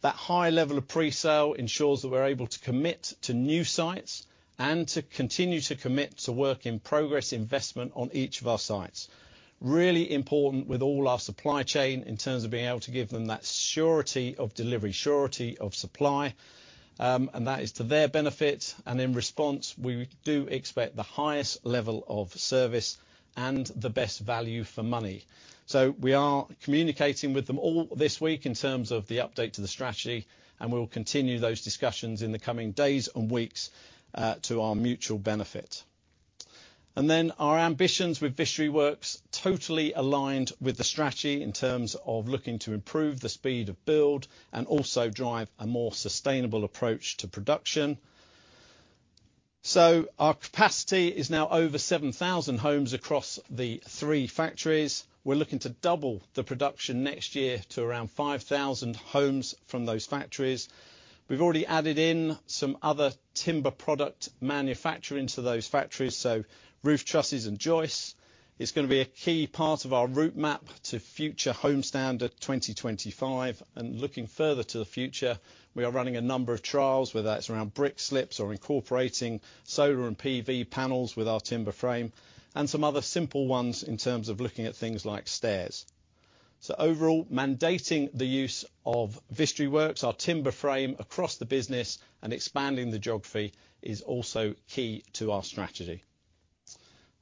That high level of presale ensures that we're able to commit to new sites and to continue to commit to work in progress, investment on each of our sites. Really important with all our supply chain in terms of being able to give them that surety of delivery, surety of supply, and that is to their benefit. And in response, we do expect the highest level of service and the best value for money. So we are communicating with them all this week in terms of the update to the strategy, and we will continue those discussions in the coming days and weeks, to our mutual benefit. And then our ambitions with Vistry Works, totally aligned with the strategy in terms of looking to improve the speed of build and also drive a more sustainable approach to production. So our capacity is now over 7,000 homes across the three factories. We're looking to double the production next year to around 5,000 homes from those factories. We've already added in some other timber product manufacturing to those factories, so roof trusses and joists. It's gonna be a key part of our roadmap to Future Homes Standard 2025. And looking further to the future, we are running a number of trials, whether that's around brick slips or incorporating solar and PV panels with our timber frame, and some other simple ones in terms of looking at things like stairs. So overall, mandating the use of Vistry Works, our timber frame across the business and expanding the geography is also key to our strategy.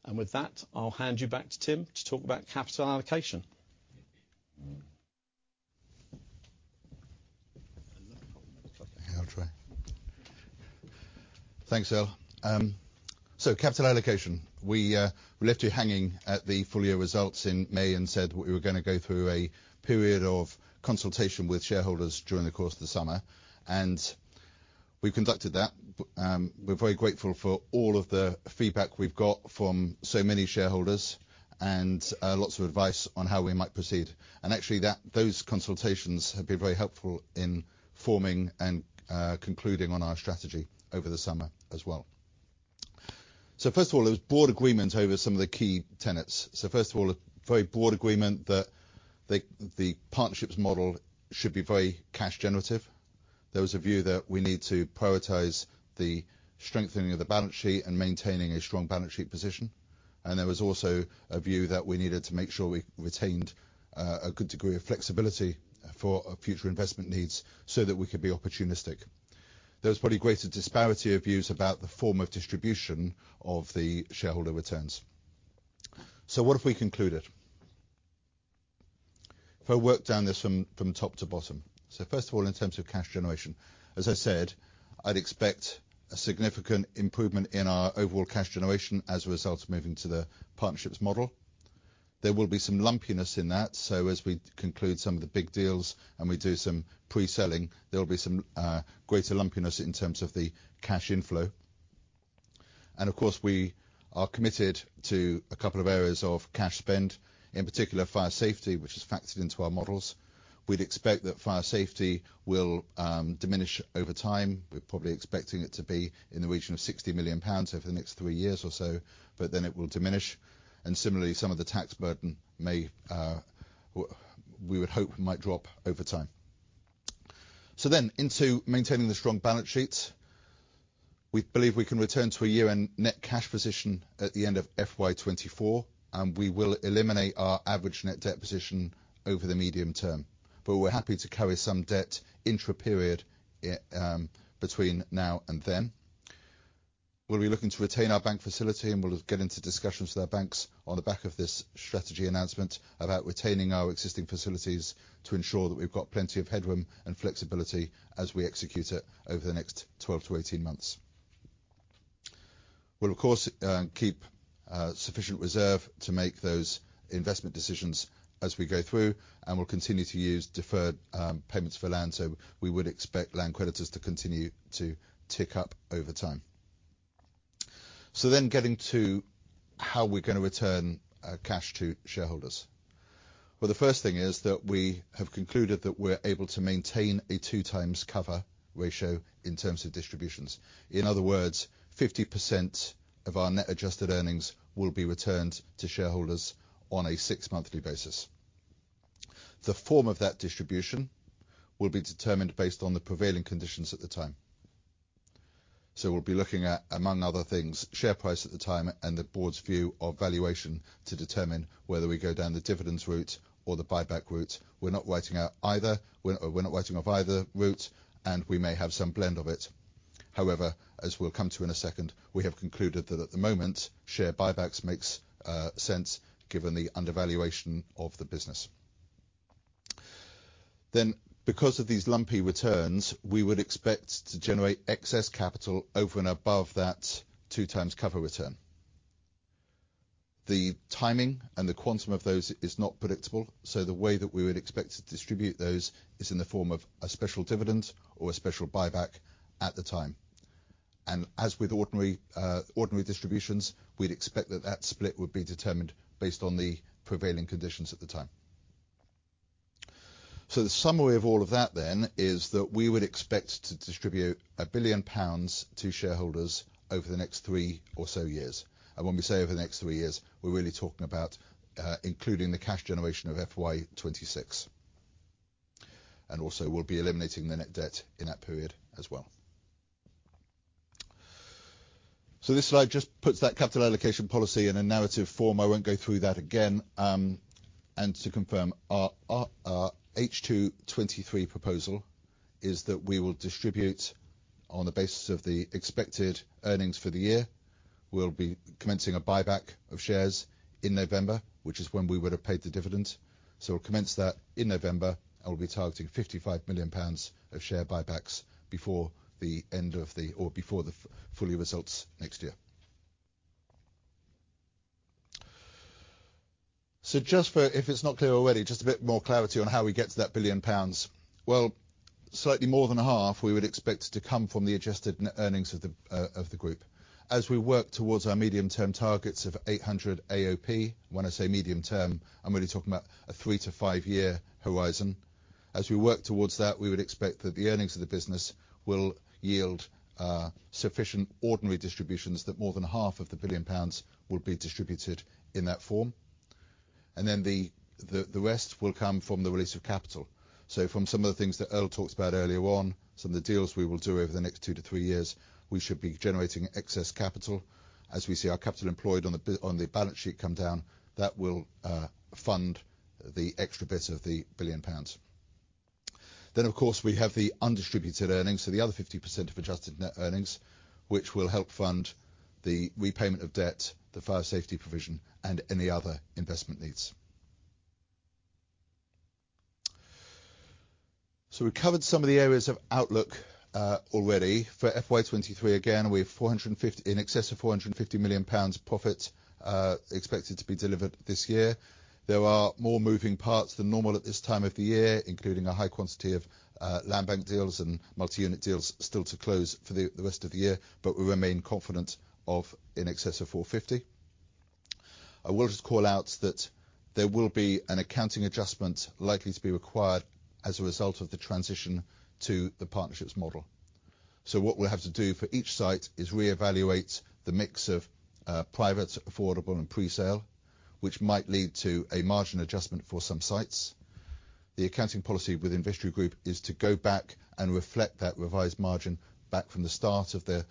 And with that, I'll hand you back to Tim to talk about capital allocation. I'll try. Thanks, Earl. So capital allocation. We left you hanging at the full year results in May and said we were gonna go through a period of consultation with shareholders during the course of the summer, and we've conducted that. We're very grateful for all of the feedback we've got from so many shareholders and lots of advice on how we might proceed. And actually, those consultations have been very helpful in forming and concluding on our strategy over the summer as well. So first of all, there was broad agreement over some of the key tenets. So first of all, a very broad agreement that the Partnerships model should be very cash generative. There was a view that we need to prioritize the strengthening of the balance sheet and maintaining a strong balance sheet position. There was also a view that we needed to make sure we retained a good degree of flexibility for our future investment needs so that we could be opportunistic. There was probably greater disparity of views about the form of distribution of the shareholder returns. So what have we concluded? If I work down this from top to bottom. So first of all, in terms of cash generation, as I said, I'd expect a significant improvement in our overall cash generation as a result of moving to the Partnerships model. There will be some lumpiness in that, so as we conclude some of the big deals and we do some pre-selling, there will be some greater lumpiness in terms of the cash inflow. Of course, we are committed to a couple of areas of cash spend, in particular, fire safety, which is factored into our models. We'd expect that fire safety will diminish over time. We're probably expecting it to be in the region of 60 million pounds over the next three years or so, but then it will diminish, and similarly, some of the tax burden may we would hope, might drop over time. Then, into maintaining the strong balance sheet, we believe we can return to a year-end net cash position at the end of FY 2024, and we will eliminate our average net debt position over the medium term, but we're happy to carry some debt intraperiod, between now and then. We'll be looking to retain our bank facility, and we'll get into discussions with our banks on the back of this strategy announcement about retaining our existing facilities to ensure that we've got plenty of headroom and flexibility as we execute it over the next 12-18 months. We'll, of course, keep sufficient reserve to make those investment decisions as we go through, and we'll continue to use deferred payments for land, so we would expect land creditors to continue to tick up over time. So then getting to how we're gonna return cash to shareholders. Well, the first thing is that we have concluded that we're able to maintain a 2 times cover ratio in terms of distributions. In other words, 50% of our net adjusted earnings will be returned to shareholders on a six-monthly basis. The form of that distribution will be determined based on the prevailing conditions at the time. So we'll be looking at, among other things, share price at the time and the board's view of valuation to determine whether we go down the dividends route or the buyback route. We're not writing out either. We're, we're not writing off either route, and we may have some blend of it. However, as we'll come to in a second, we have concluded that at the moment, share buybacks makes sense given the undervaluation of the business. Then, because of these lumpy returns, we would expect to generate excess capital over and above that two times cover return. The timing and the quantum of those is not predictable, so the way that we would expect to distribute those is in the form of a special dividend or a special buyback at the time. As with ordinary distributions, we'd expect that that split would be determined based on the prevailing conditions at the time. So the summary of all of that then is that we would expect to distribute 1 billion pounds to shareholders over the next three or so years, and when we say over the next three years, we're really talking about including the cash generation of FY 2026. And also, we'll be eliminating the net debt in that period as well. So this slide just puts that capital allocation policy in a narrative form. I won't go through that again, and to confirm, our H2 2023 proposal is that we will distribute on the basis of the expected earnings for the year. We'll be commencing a buyback of shares in November, which is when we would have paid the dividend. So we'll commence that in November, and we'll be targeting 55 million pounds of share buybacks before the end of the or before the full year results next year. So just for, if it's not clear already, just a bit more clarity on how we get to that 1 billion pounds. Well, slightly more than a half we would expect to come from the adjusted net earnings of the, of the group. As we work towards our medium-term targets of 800 AOP, when I say medium term, I'm really talking about a three to five-year horizon. As we work towards that, we would expect that the earnings of the business will yield, sufficient ordinary distributions that more than half of the 1 billion pounds will be distributed in that form. And then the, the, the rest will come from the release of capital. So from some of the things that Earl talked about earlier on, some of the deals we will do over the next two to three years, we should be generating excess capital. As we see our capital employed on the balance sheet come down, that will fund the extra bit of the 1 billion pounds. Then, of course, we have the undistributed earnings, so the other 50% of adjusted net earnings, which will help fund the repayment of debt, the fire safety provision, and any other investment needs. So we covered some of the areas of outlook already. For FY 2023, again, we have in excess of 450 million pounds profit expected to be delivered this year. There are more moving parts than normal at this time of the year, including a high quantity of land bank deals and multi-unit deals still to close for the rest of the year, but we remain confident of in excess of 450. I will just call out that there will be an accounting adjustment likely to be required as a result of the transition to the Partnerships model. So what we'll have to do for each site is reevaluate the mix of private, affordable, and presale, which might lead to a margin adjustment for some sites. The accounting policy with Vistry Group is to go back and reflect that revised margin back from the start of the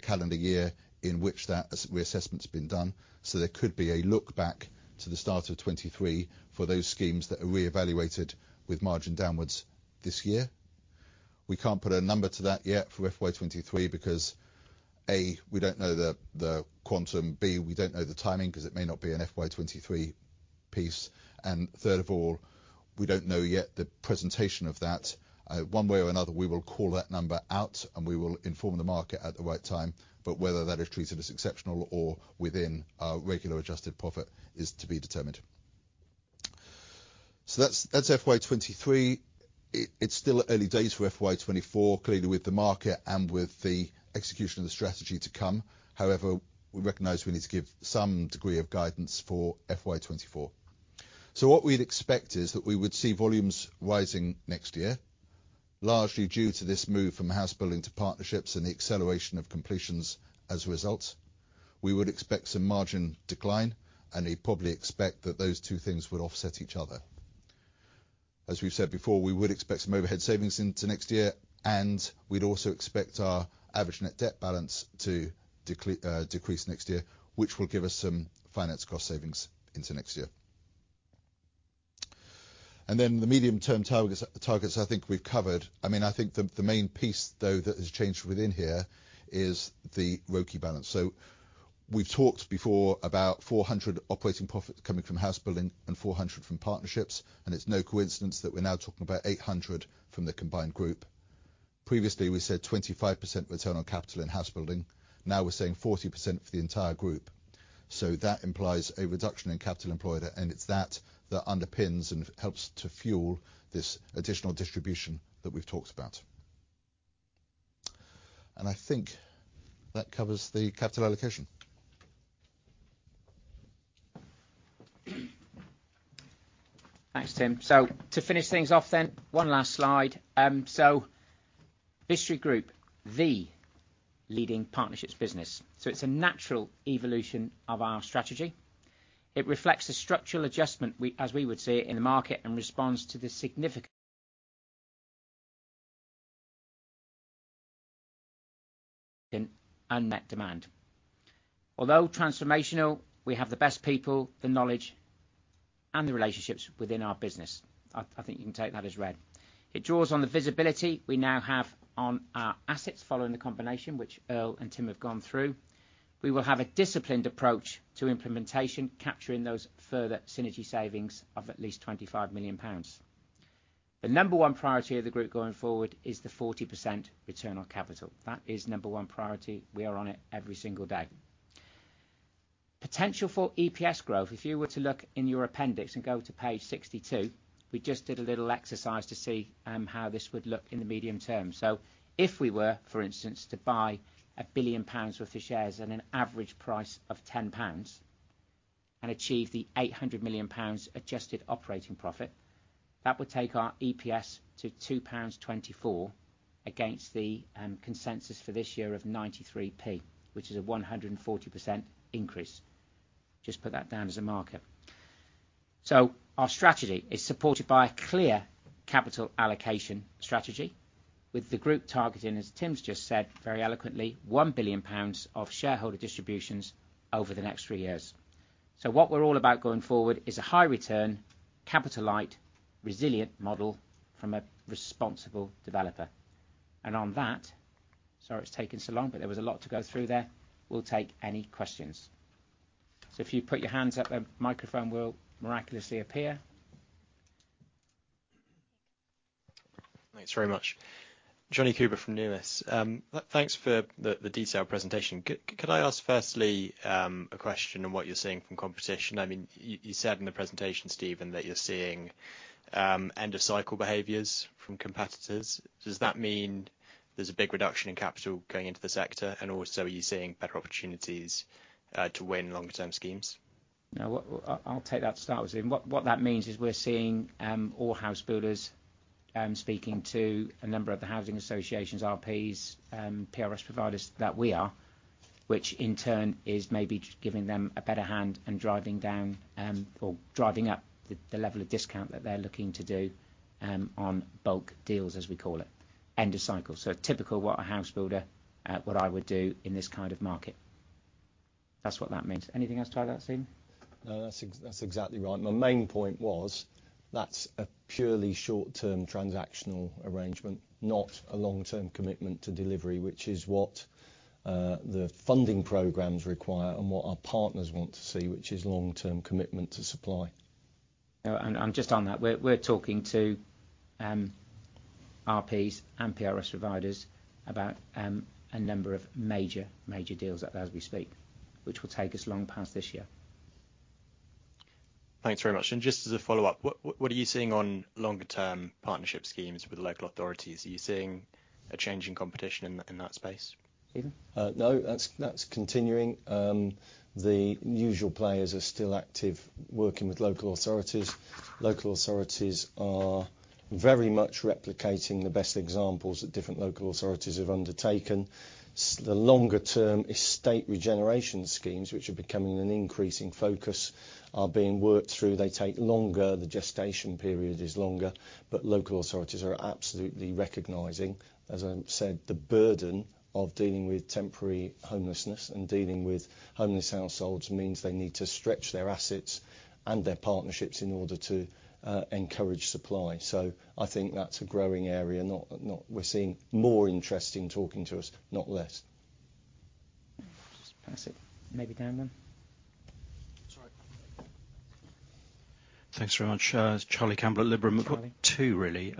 calendar year, in which that reassessment has been done. So there could be a look back to the start of 2023 for those schemes that are reevaluated with margin downwards this year. We can't put a number to that yet for FY 2023, because, A, we don't know the, the quantum, B, we don't know the timing, 'cause it may not be an FY 2023 piece, and third of all, we don't know yet the presentation of that. One way or another, we will call that number out, and we will inform the market at the right time, but whether that is treated as exceptional or within our regular adjusted profit is to be determined. So that's, that's FY 2023. It's still early days for FY 2024, clearly, with the market and with the execution of the strategy to come. However, we recognize we need to give some degree of guidance for FY 2024. So what we'd expect is that we would see volumes rising next year, largely due to this move from Housebuilding to Partnerships and the acceleration of completions as a result. We would expect some margin decline, and we'd probably expect that those two things would offset each other. As we've said before, we would expect some overhead savings into next year, and we'd also expect our average net debt balance to decrease next year, which will give us some finance cost savings into next year. And then the medium term targets, I think we've covered. I mean, I think the main piece, though, that has changed within here is the ROCE balance. So we've talked before about 400 operating profits coming from Housebuilding and 400 from Partnerships, and it's no coincidence that we're now talking about 800 from the combined group. Previously, we said 25% return on capital and Housebuilding, now we're saying 40% for the entire group. So that implies a reduction in capital employed, and it's that that underpins and helps to fuel this additional distribution that we've talked about. And I think that covers the capital allocation. Thanks, Tim. So to finish things off then, one last slide. So Vistry Group, the leading Partnerships business. So it's a natural evolution of our strategy. It reflects the structural adjustment, as we would see it in the market, and responds to the significant and unmet demand. Although transformational, we have the best people, the knowledge, and the relationships within our business. I think you can take that as read. It draws on the visibility we now have on our assets, following the combination which Earl and Tim have gone through. We will have a disciplined approach to implementation, capturing those further synergy savings of at least 25 million pounds. The number one priority of the group going forward is the 40% return on capital. That is number one priority. We are on it every single day. Potential for EPS growth. If you were to look in your appendix and go to page 62, we just did a little exercise to see how this would look in the medium term. So if we were, for instance, to buy 1 billion pounds worth of shares at an average price of 10 pounds, and achieve the 800 million pounds adjusted operating profit, that would take our EPS to 2.24 pounds, against the consensus for this year of 93p, which is a 140% increase. Just put that down as a marker. So our strategy is supported by a clear capital allocation strategy, with the group targeting, as Tim's just said, very eloquently, 1 billion pounds of shareholder distributions over the next three years. So what we're all about going forward is a high return, capital light, resilient model from a responsible developer. On that, sorry it's taken so long, but there was a lot to go through there. We'll take any questions. If you put your hands up, a microphone will miraculously appear. Thanks very much. Jonny Coubrough from Numis. Thanks for the detailed presentation. Could I ask, firstly, a question on what you're seeing from competition? I mean, you said in the presentation, Stephen, that you're seeing end of cycle behaviors from competitors. Does that mean there's a big reduction in capital going into the sector? And also, are you seeing better opportunities to win longer term schemes? Now, what, I'll take that to start with, Stephen. What, what that means is we're seeing, all house builders, speaking to a number of the housing associations, RPs, PRS providers that we are, which in turn is maybe giving them a better hand and driving down, or driving up the, the level of discount that they're looking to do, on bulk deals, as we call it. End of cycle. So typical, what a house builder, what I would do in this kind of market. That's what that means. Anything else to add to that, Stephen? No, that's exactly right. My main point was, that's a purely short-term transactional arrangement, not a long-term commitment to delivery, which is what the funding programs require and what our partners want to see, which is long-term commitment to supply. And just on that, we're talking to RPs and PRS providers about a number of major deals as we speak, which will take us long past this year. Thanks very much. Just as a follow-up, what are you seeing on longer term partnership schemes with local authorities? Are you seeing a change in competition in that space? Stephen? No, that's, that's continuing. The usual players are still active, working with local authorities. Local authorities are very much replicating the best examples that different local authorities have undertaken. The longer term estate regeneration schemes, which are becoming an increasing focus, are being worked through. They take longer, the gestation period is longer, but local authorities are absolutely recognizing, as I said, the burden of dealing with temporary homelessness and dealing with homeless households, means they need to stretch their assets and their Partnerships in order to encourage supply. So I think that's a growing area, not, not. We're seeing more interest in talking to us, not less. Just pass it, maybe down then. Sorry. Thanks very much. Charlie Campbell at Liberum. I've got two, really.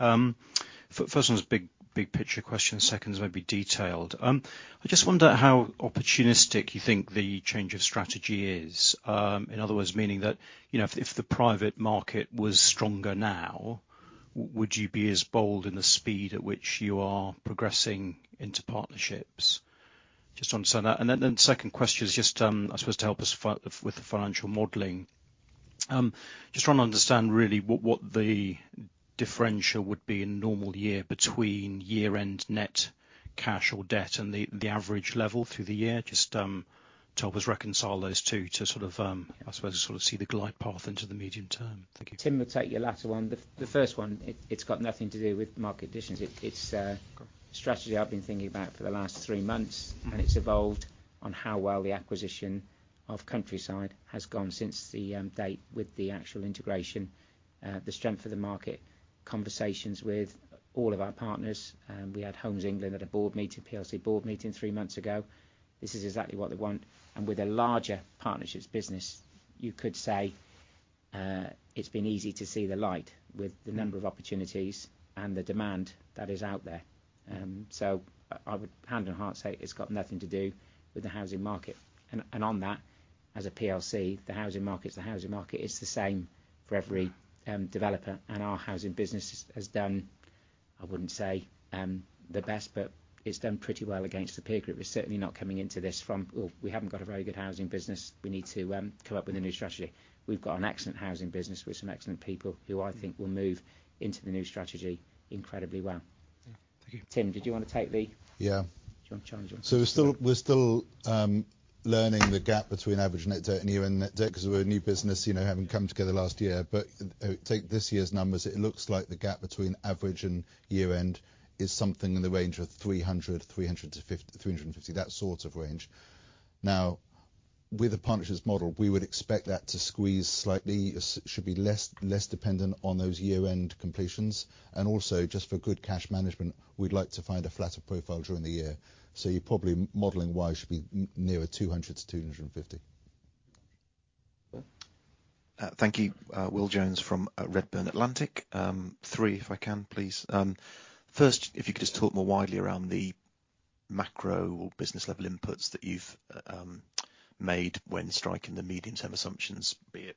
First one is big, big picture question, second one might be detailed. I just wonder how opportunistic you think the change of strategy is? In other words, meaning that, you know, if, if the private market was stronger now, would you be as bold in the speed at which you are progressing into Partnerships? Just want to understand that. And then, second question is just, I suppose, to help us with the financial modeling. Just trying to understand really, what, what the differential would be in a normal year between year-end net cash or debt and the, the average level through the year. Just, to help us reconcile those two to sort of, I suppose, to sort of see the glide path into the medium term. Thank you. Tim will take your latter one. The first one, it's got nothing to do with market conditions. It, it's strategy I've been thinking about for the last three months, and it's evolved on how well the acquisition of Countryside has gone since the date with the actual integration, the strength of the market, conversations with all of our partners. We had Homes England at a board meeting, PLC board meeting three months ago. This is exactly what they want, and with a larger Partnerships business, you could say, it's been easy to see the light with the number of opportunities and the demand that is out there. So I would hand on heart say it's got nothing to do with the housing market. And on that, as a PLC, the housing market is the housing market. It's the same for every developer, and our housing business has done, I wouldn't say the best, but it's done pretty well against the peer group. We're certainly not coming into this from, "Well, we haven't got a very good housing business. We need to come up with a new strategy." We've got an excellent housing business with some excellent people who I think will move into the new strategy incredibly well. Thank you. Tim, did you want to take the- Yeah. Do you want to challenge on that? So we're still, we're still learning the gap between average net debt and year-end net debt because we're a new business, you know, having come together last year. But take this year's numbers, it looks like the gap between average and year-end is something in the range of 300-350, that sort of range. Now, with the Partnerships model, we would expect that to squeeze slightly. It should be less dependent on those year-end completions, and also just for good cash management, we'd like to find a flatter profile during the year. So you're probably modeling why you should be nearer 200-250. Thank you. Will Jones from Redburn Atlantic. Three, if I can, please. First, if you could just talk more widely around the macro or business-level inputs that you've made when striking the medium-term assumptions, be it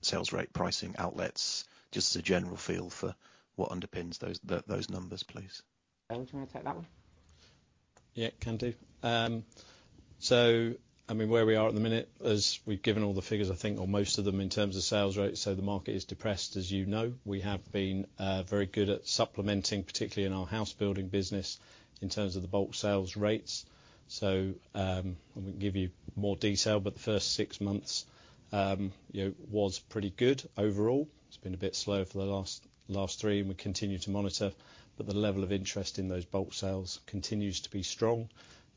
sales rate, pricing, outlets, just as a general feel for what underpins those, those numbers, please. Earl, do you want to take that one? Yeah, can do. So I mean, where we are at the minute, as we've given all the figures, I think, or most of them in terms of sales rates, so the market is depressed, as you know. We have been very good at supplementing, particularly in our Housebuilding business, in terms of the bulk sales rates. So, I'm gonna give you more detail, but the first six months, you know, was pretty good overall. It's been a bit slow for the last three, and we continue to monitor, but the level of interest in those bulk sales continues to be strong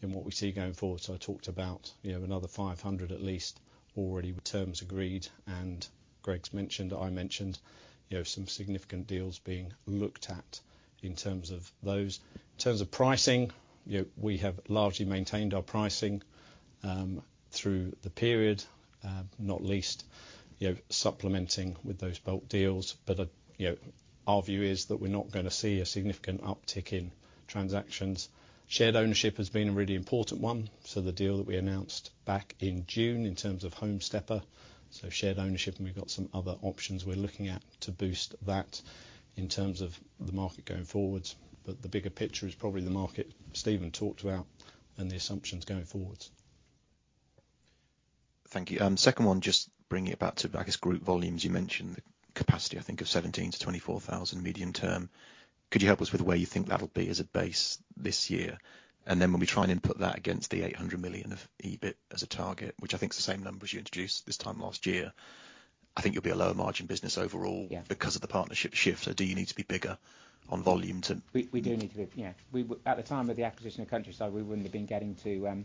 in what we see going forward. So I talked about, you know, another 500, at least, already with terms agreed, and Greg's mentioned, I mentioned, you know, some significant deals being looked at in terms of those. In terms of pricing, you know, we have largely maintained our pricing, through the period, not least, you know, supplementing with those bulk deals. But, you know, our view is that we're not gonna see a significant uptick in transactions. Shared ownership has been a really important one, so the deal that we announced back in June in terms of Home Stepper, so shared ownership, and we've got some other options we're looking at to boost that in terms of the market going forward. But the bigger picture is probably the market Stephen talked about and the assumptions going forwards. Thank you. Second one, just bringing it back to, I guess, group volumes. You mentioned the capacity, I think, of 17,000-24,000 medium term. Could you help us with where you think that'll be as a base this year? And then when we try and input that against the 800 million of EBIT as a target, which I think is the same number as you introduced this time last year, I think you'll be a lower margin business overall. Yeah. Because of the partnership shift. So do you need to be bigger on volume to. We do need to be, yeah. At the time of the acquisition of Countryside, we wouldn't have been getting to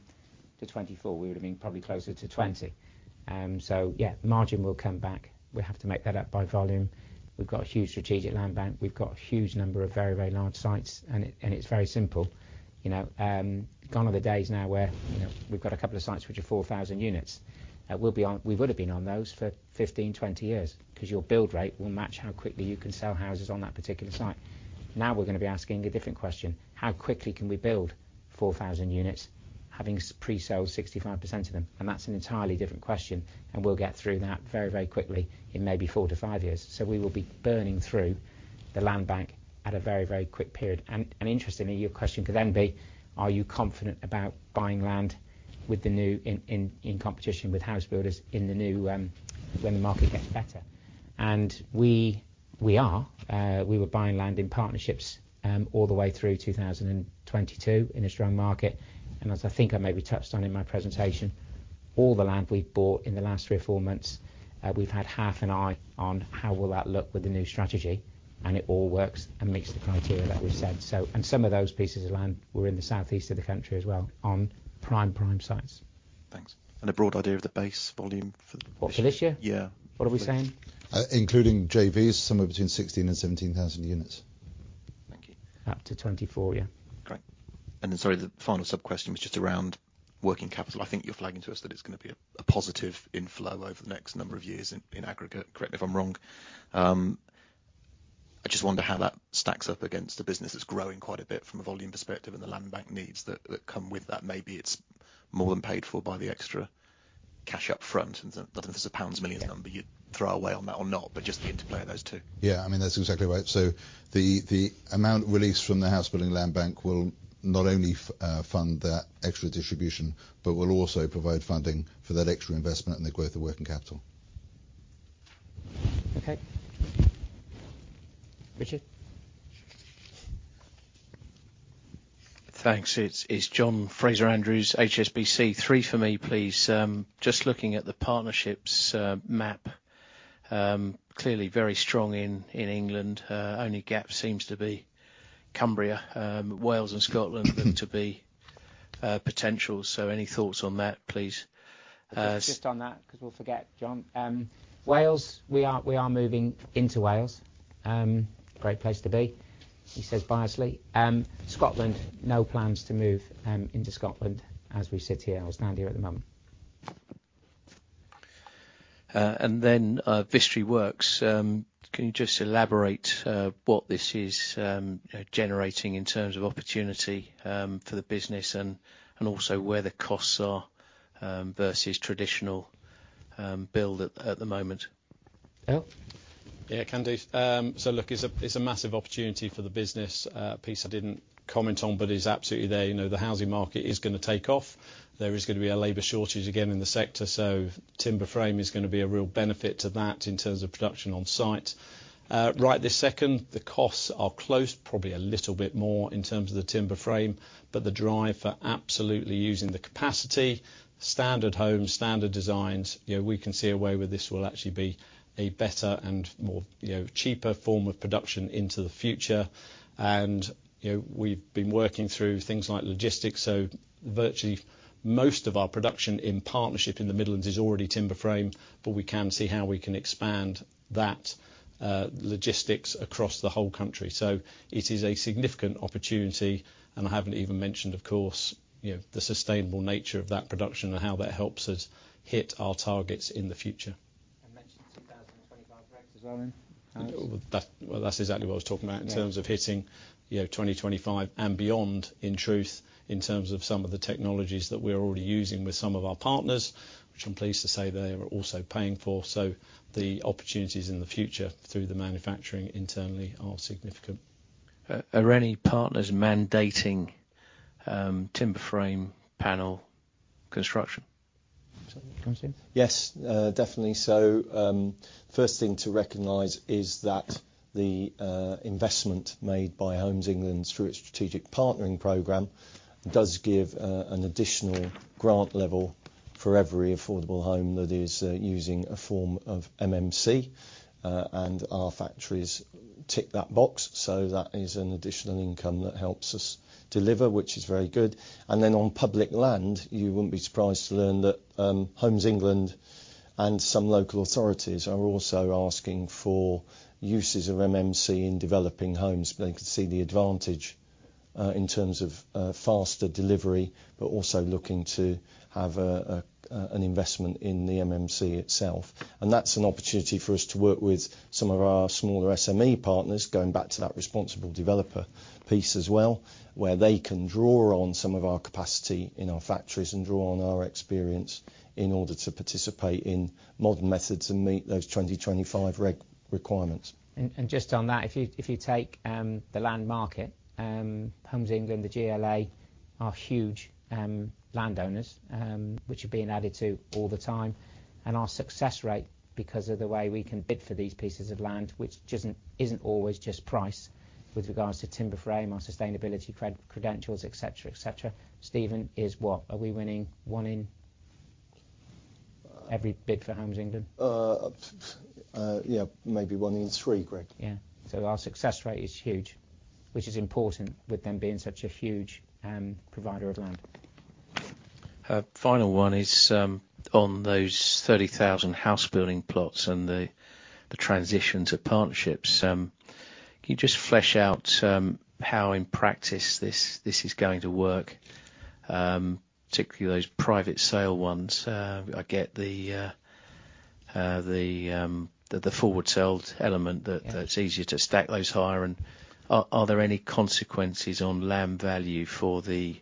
24, we would have been probably closer to 20. So yeah, margin will come back. We have to make that up by volume. We've got a huge strategic land bank. We've got a huge number of very, very large sites, and it's very simple. You know, gone are the days now where, you know, we've got a couple of sites which are 4,000 units. We would have been on those for 15, 20 years, 'cause your build rate will match how quickly you can sell houses on that particular site. Now, we're gonna be asking a different question: How quickly can we build 4,000 units, having pre-sold 65% of them? That's an entirely different question, and we'll get through that very, very quickly in maybe 4-5 years. We will be burning through the land bank at a very, very quick period. And interestingly, your question could then be: Are you confident about buying land with the new, in competition with house builders in the new, when the market gets better? And we are. We were buying land in Partnerships all the way through 2022 in a strong market, and as I think I maybe touched on in my presentation, all the land we've bought in the last three or four months, we've had half an eye on how will that look with the new strategy, and it all works and makes the criteria that we've set. Some of those pieces of land were in the southeast of the country as well on prime, prime sites. Thanks. And a broad idea of the base volume. For this year? Yeah. What are we saying? Including JVs, somewhere between 16,000 and 17,000 units. Up to 24, yeah. Great. And then, sorry, the final sub-question was just around working capital. I think you're flagging to us that it's gonna be a positive inflow over the next number of years in aggregate. Correct me if I'm wrong. I just wonder how that stacks up against a business that's growing quite a bit from a volume perspective and the land bank needs that come with that. Maybe it's more than paid for by the extra cash up front, and I don't know if there's a pound million number you'd throw away on that or not, but just the interplay of those two. Yeah, I mean, that's exactly right. So the amount released from the Housebuilding land bank will not only fund that extra distribution, but will also provide funding for that extra investment and the growth of working capital. Okay. Thanks. It's John Fraser-Andrews, HSBC. Three for me, please. Just looking at the Partnerships map, clearly very strong in England. Only gap seems to be Cumbria. Wales and Scotland seem to be potentials. So any thoughts on that, please? Just on that, because we'll forget, John. Wales, we are moving into Wales. Great place to be, he says biasedly. Scotland, no plans to move into Scotland as we sit here or stand here at the moment. And then, Vistry Works. Can you just elaborate what this is generating in terms of opportunity for the business and, and also where the costs are versus traditional build at the moment? Yeah. Yeah, can do. So look, it's a, it's a massive opportunity for the business. Piece I didn't comment on, but is absolutely there. You know, the housing market is gonna take off. There is gonna be a labor shortage again in the sector, so timber frame is gonna be a real benefit to that in terms of production on site. Right this second, the costs are close, probably a little bit more in terms of the timber frame, but the drive for absolutely using the capacity, standard homes, standard designs, you know, we can see a way where this will actually be a better and more, you know, cheaper form of production into the future. You know, we've been working through things like logistics, so virtually most of our production in partnership in the Midlands is already timber frame, but we can see how we can expand that, logistics across the whole country. So it is a significant opportunity, and I haven't even mentioned, of course, you know, the sustainable nature of that production and how that helps us hit our targets in the future. I mentioned 2025 rates as well then? Well, that's exactly what I was talking about. Yeah In terms of hitting, you know, 2025 and beyond, in truth, in terms of some of the technologies that we're already using with some of our partners, which I'm pleased to say they are also paying for. So the opportunities in the future through the manufacturing internally are significant. Are any partners mandating timber frame panel construction? Yes, definitely so. First thing to recognize is that the investment made by Homes England through its strategic partnering program does give an additional grant level for every affordable home that is using a form of MMC, and our factories tick that box, so that is an additional income that helps us deliver, which is very good. And then on public land, you wouldn't be surprised to learn that Homes England and some local authorities are also asking for uses of MMC in developing homes. They can see the advantage in terms of faster delivery, but also looking to have an investment in the MMC itself. That's an opportunity for us to work with some of our smaller SME partners, going back to that responsible developer piece as well, where they can draw on some of our capacity in our factories and draw on our experience in order to participate in modern methods and meet those 2025 regulatory requirements. Just on that, if you take the land market, Homes England, the GLA, are huge landowners, which are being added to all the time. Our success rate, because of the way we can bid for these pieces of land, which isn't always just price with regards to timber frame, our sustainability credentials, et cetera, et cetera. Stephen, is what? Are we winning one in every bid for Homes England? Yeah, maybe one in three, Greg. Yeah. So our success rate is huge, which is important with them being such a huge provider of land. Final one is on those 30,000 Housebuilding plots and the transition to Partnerships. Can you just flesh out how in practice this is going to work, particularly those private sale ones? I get the forward sales element that, that's easier to stack those higher. And are there any consequences on land value for the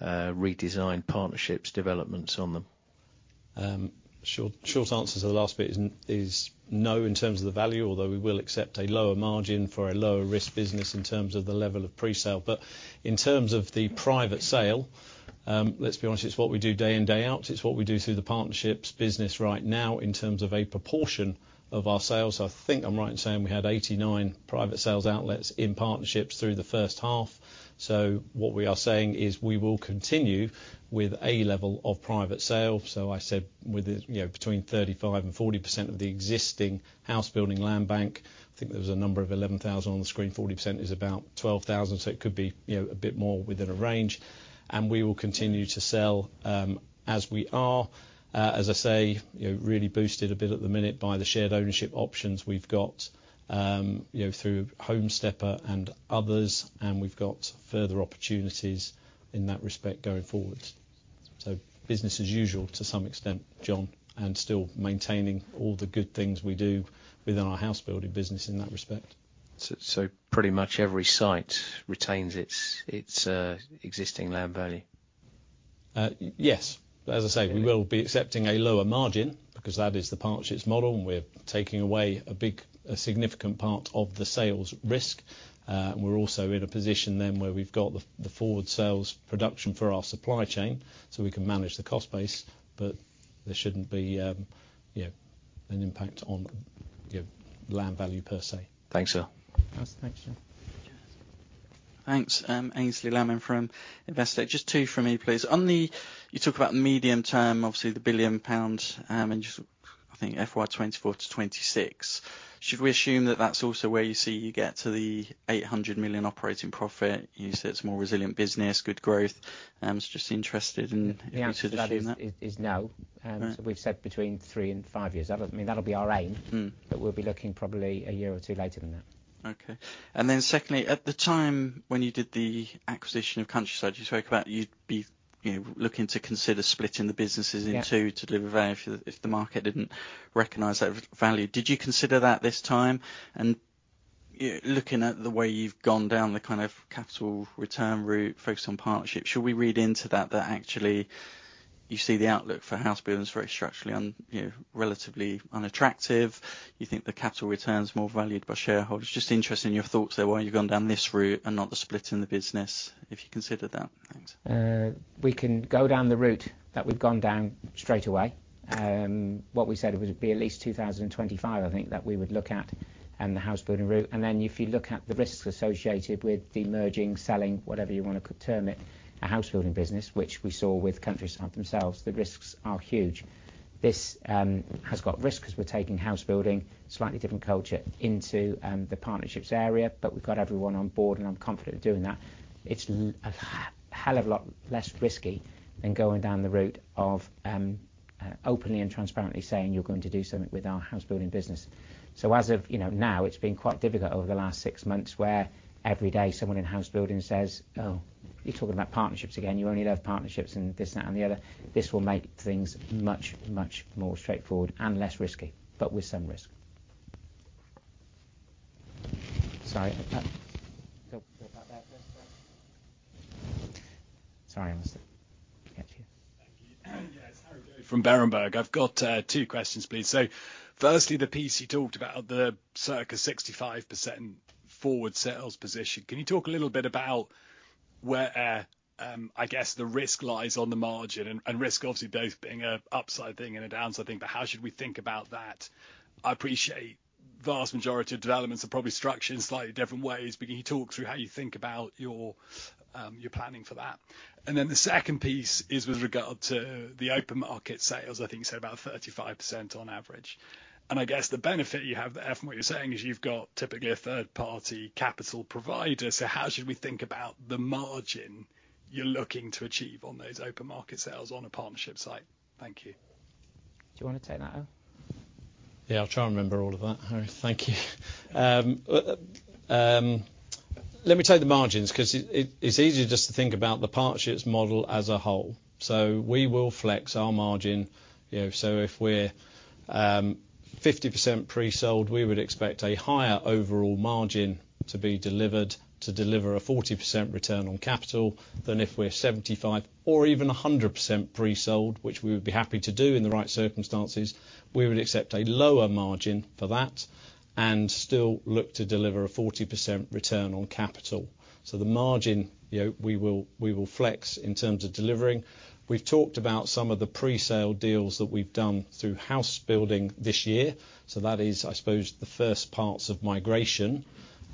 redesigned Partnerships developments on them? Short, short answer to the last bit is no, in terms of the value, although we will accept a lower margin for a lower risk business in terms of the level of pre-sale. But in terms of the private sale, let's be honest, it's what we do day in, day out. It's what we do through the Partnerships business right now in terms of a proportion of our sales. I think I'm right in saying we had 89 private sales outlets in Partnerships through the first half. So what we are saying is we will continue with a level of private sale. So I said with it, you know, between 35% and 40% of the existing Housebuilding land bank, I think there was a number of 11,000 on the screen, 40% is about 12,000, so it could be, you know, a bit more within a range. And we will continue to sell, as we are. As I say, you know, really boosted a bit at the minute by the shared ownership options we've got, you know, through Home Stepper and others, and we've got further opportunities in that respect going forward. So business as usual, to some extent, John, and still maintaining all the good things we do within our Housebuilding business in that respect. So, pretty much every site retains its existing land value? Yes. As I say, we will be accepting a lower margin because that is the Partnerships model, and we're taking away a big, a significant part of the sales risk. We're also in a position then where we've got the forward sales production for our supply chain, so we can manage the cost base, but there shouldn't be, you know, an impact on, you know, land value per se. Thanks, sir. Thanks. Thanks. Aynsley Lammin from Investec. Just two from me, please. On the, you talk about the medium term, obviously the 1 billion pounds, and just I think FY 2024-2026. Should we assume that that's also where you see you get to the 800 million operating profit? You said it's more resilient business, good growth. I was just interested in if we should assume that. The answer to that is no. Right. We've said between three and five years. I mean, that'll be our aim. But we'll be looking probably a year or two later than that. Okay. And then secondly, at the time when you did the acquisition of Countryside, you spoke about you'd be, you know, looking to consider splitting the businesses in two. Yeah. To deliver value if the market didn't recognize that value. Did you consider that this time? And looking at the way you've gone down the kind of capital return route, focused on Partnerships, should we read into that, that actually you see the outlook for Housebuilding is very structurally, you know, relatively unattractive, you think the capital return's more valued by shareholders? Just interested in your thoughts there, why you've gone down this route and not the split in the business, if you considered that. Thanks. We can go down the route that we've gone down straight away. What we said, it would be at least 2025, I think, that we would look at the Housebuilding route. And then, if you look at the risks associated with demerging, selling, whatever you want to term it, a Housebuilding business, which we saw with Countryside themselves, the risks are huge. This has got risk 'cause we're taking Housebuilding, a slightly different culture, into the Partnerships area, but we've got everyone on board, and I'm confident of doing that. It's a hell of a lot less risky than going down the route of openly and transparently saying you're going to do something with our Housebuilding business. So as of, you know, now, it's been quite difficult over the last six months, where every day someone in Housebuilding says: "Oh, you're talking about Partnerships again. You only have Partnerships," and this, that, and the other. This will make things much, much more straightforward and less risky, but with some risk. Sorry, go back there. Sorry, I must get you. Thank you. Yeah, it's Harry Goad from Berenberg. I've got two questions, please. So firstly, the piece you talked about, the circa 65% forward sales position. Can you talk a little bit about where, I guess, the risk lies on the margin, and risk obviously both being an upside thing and a downside thing, but how should we think about that? I appreciate vast majority of developments are probably structured in slightly different ways, but can you talk through how you think about your planning for that. And then the second piece is with regard to the open market sales. I think you said about 35% on average. And I guess the benefit you have there, from what you're saying, is you've got typically a third-party capital provider. How should we think about the margin you're looking to achieve on those open market sales on a partnership site? Thank you. Do you want to take that, Earl? Yeah, I'll try and remember all of that, Harry. Thank you. Let me take the margins 'cause it's easier just to think about the Partnerships model as a whole. So we will flex our margin. You know, so if we're 50% pre-sold, we would expect a higher overall margin to be delivered, to deliver a 40% return on capital, than if we're 75% or even 100% pre-sold, which we would be happy to do in the right circumstances. We would accept a lower margin for that and still look to deliver a 40% return on capital. So the margin, you know, we will, we will flex in terms of delivering. We've talked about some of the pre-sale deals that we've done through Housebuilding this year, so that is, I suppose, the first parts of migration,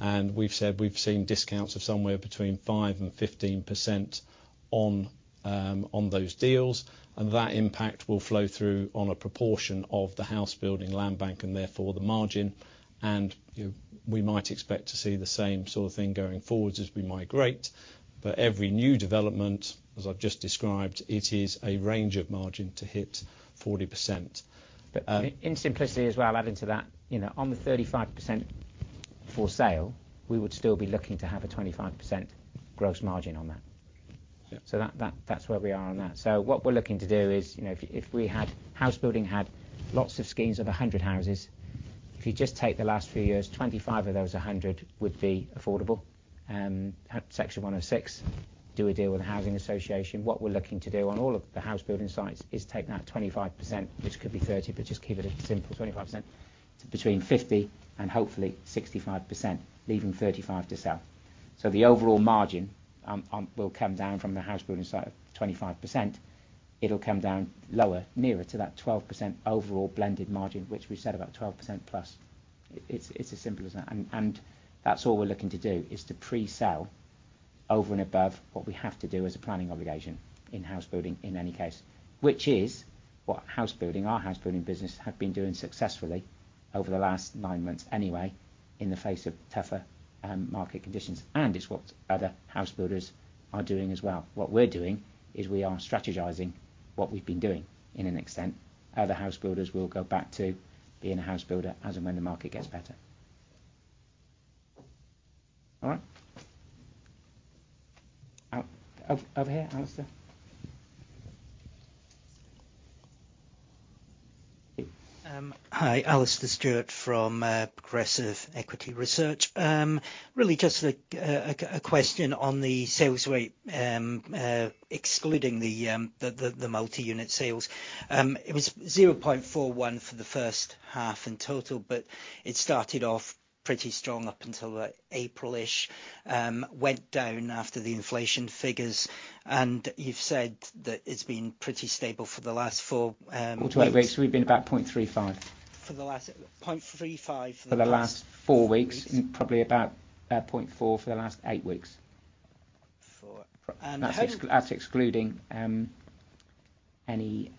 and we've said we've seen discounts of somewhere between 5%-15% on those deals, and that impact will flow through on a proportion of the Housebuilding land bank and therefore the margin. You know, we might expect to see the same sort of thing going forward as we migrate. But every new development, as I've just described, it is a range of margin to hit 40%. But in simplicity as well, adding to that, you know, on the 35% for sale, we would still be looking to have a 25% gross margin on that. Yeah. So that's where we are on that. So what we're looking to do is, you know, if Housebuilding had lots of schemes of 100 houses. If you just take the last few years, 25 of those 100 would be affordable at Section 106, do a deal with the housing association. What we're looking to do on all of the Housebuilding sites is take that 25%, which could be 30, but just keep it simple, 25%, to between 50% and hopefully 65%, leaving 35 to sell. So the overall margin on the Housebuilding side of 25% will come down lower, nearer to that 12% overall blended margin, which we've said about 12% plus. It's as simple as that, and that's all we're looking to do, is to pre-sell over and above what we have to do as a planning obligation in Housebuilding, in any case. Which is what Housebuilding, our Housebuilding business, have been doing successfully over the last nine months anyway, in the face of tougher market conditions, and it's what other housebuilders are doing as well. What we're doing is we are strategizing what we've been doing to an extent. Other housebuilders will go back to being a housebuilder as and when the market gets better. All right? Oh, over here, Alastair. Hi, Alastair Stewart from Progressive Equity Research. Really just a question on the sales rate excluding the multi-unit sales. It was 0.41 for the first half in total, but it started off pretty strong up until April-ish, went down after the inflation figures, and you've said that it's been pretty stable for the last four weeks. For two weeks, we've been about 0.35. For the last. 0.35 for the last. For the last four weeks, and probably about 0.4 for the last eight weeks. 4. And how. That's excluding any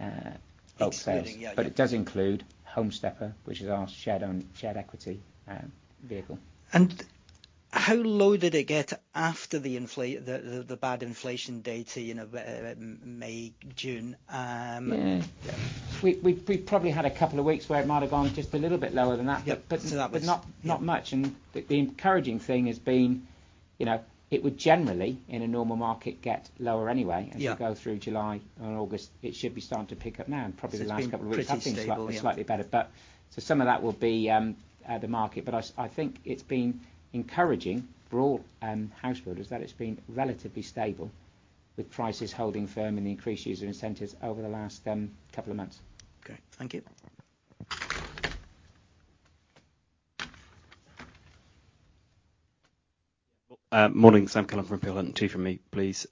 bulk sales. Excluding, yeah. But it does include Home Stepper, which is our shared equity vehicle. How low did it get after the bad inflation data, you know, May, June? Yeah. We probably had a couple of weeks where it might have gone just a little bit lower than that. Yep, so that was. But not much. And the encouraging thing has been, you know, it would generally, in a normal market, get lower anyway. Yeah. As you go through July and August, it should be starting to pick up now, and probably the last couple of weeks. It's been pretty stable, yeah. Slightly, slightly better. But, so some of that will be, the market, but I think it's been encouraging for all, households, is that it's been relatively stable, with prices holding firm and the increases in incentives over the last, couple of months. Okay, thank you. Morning. Sam Cullen from Peel Hunt. Two from me, please.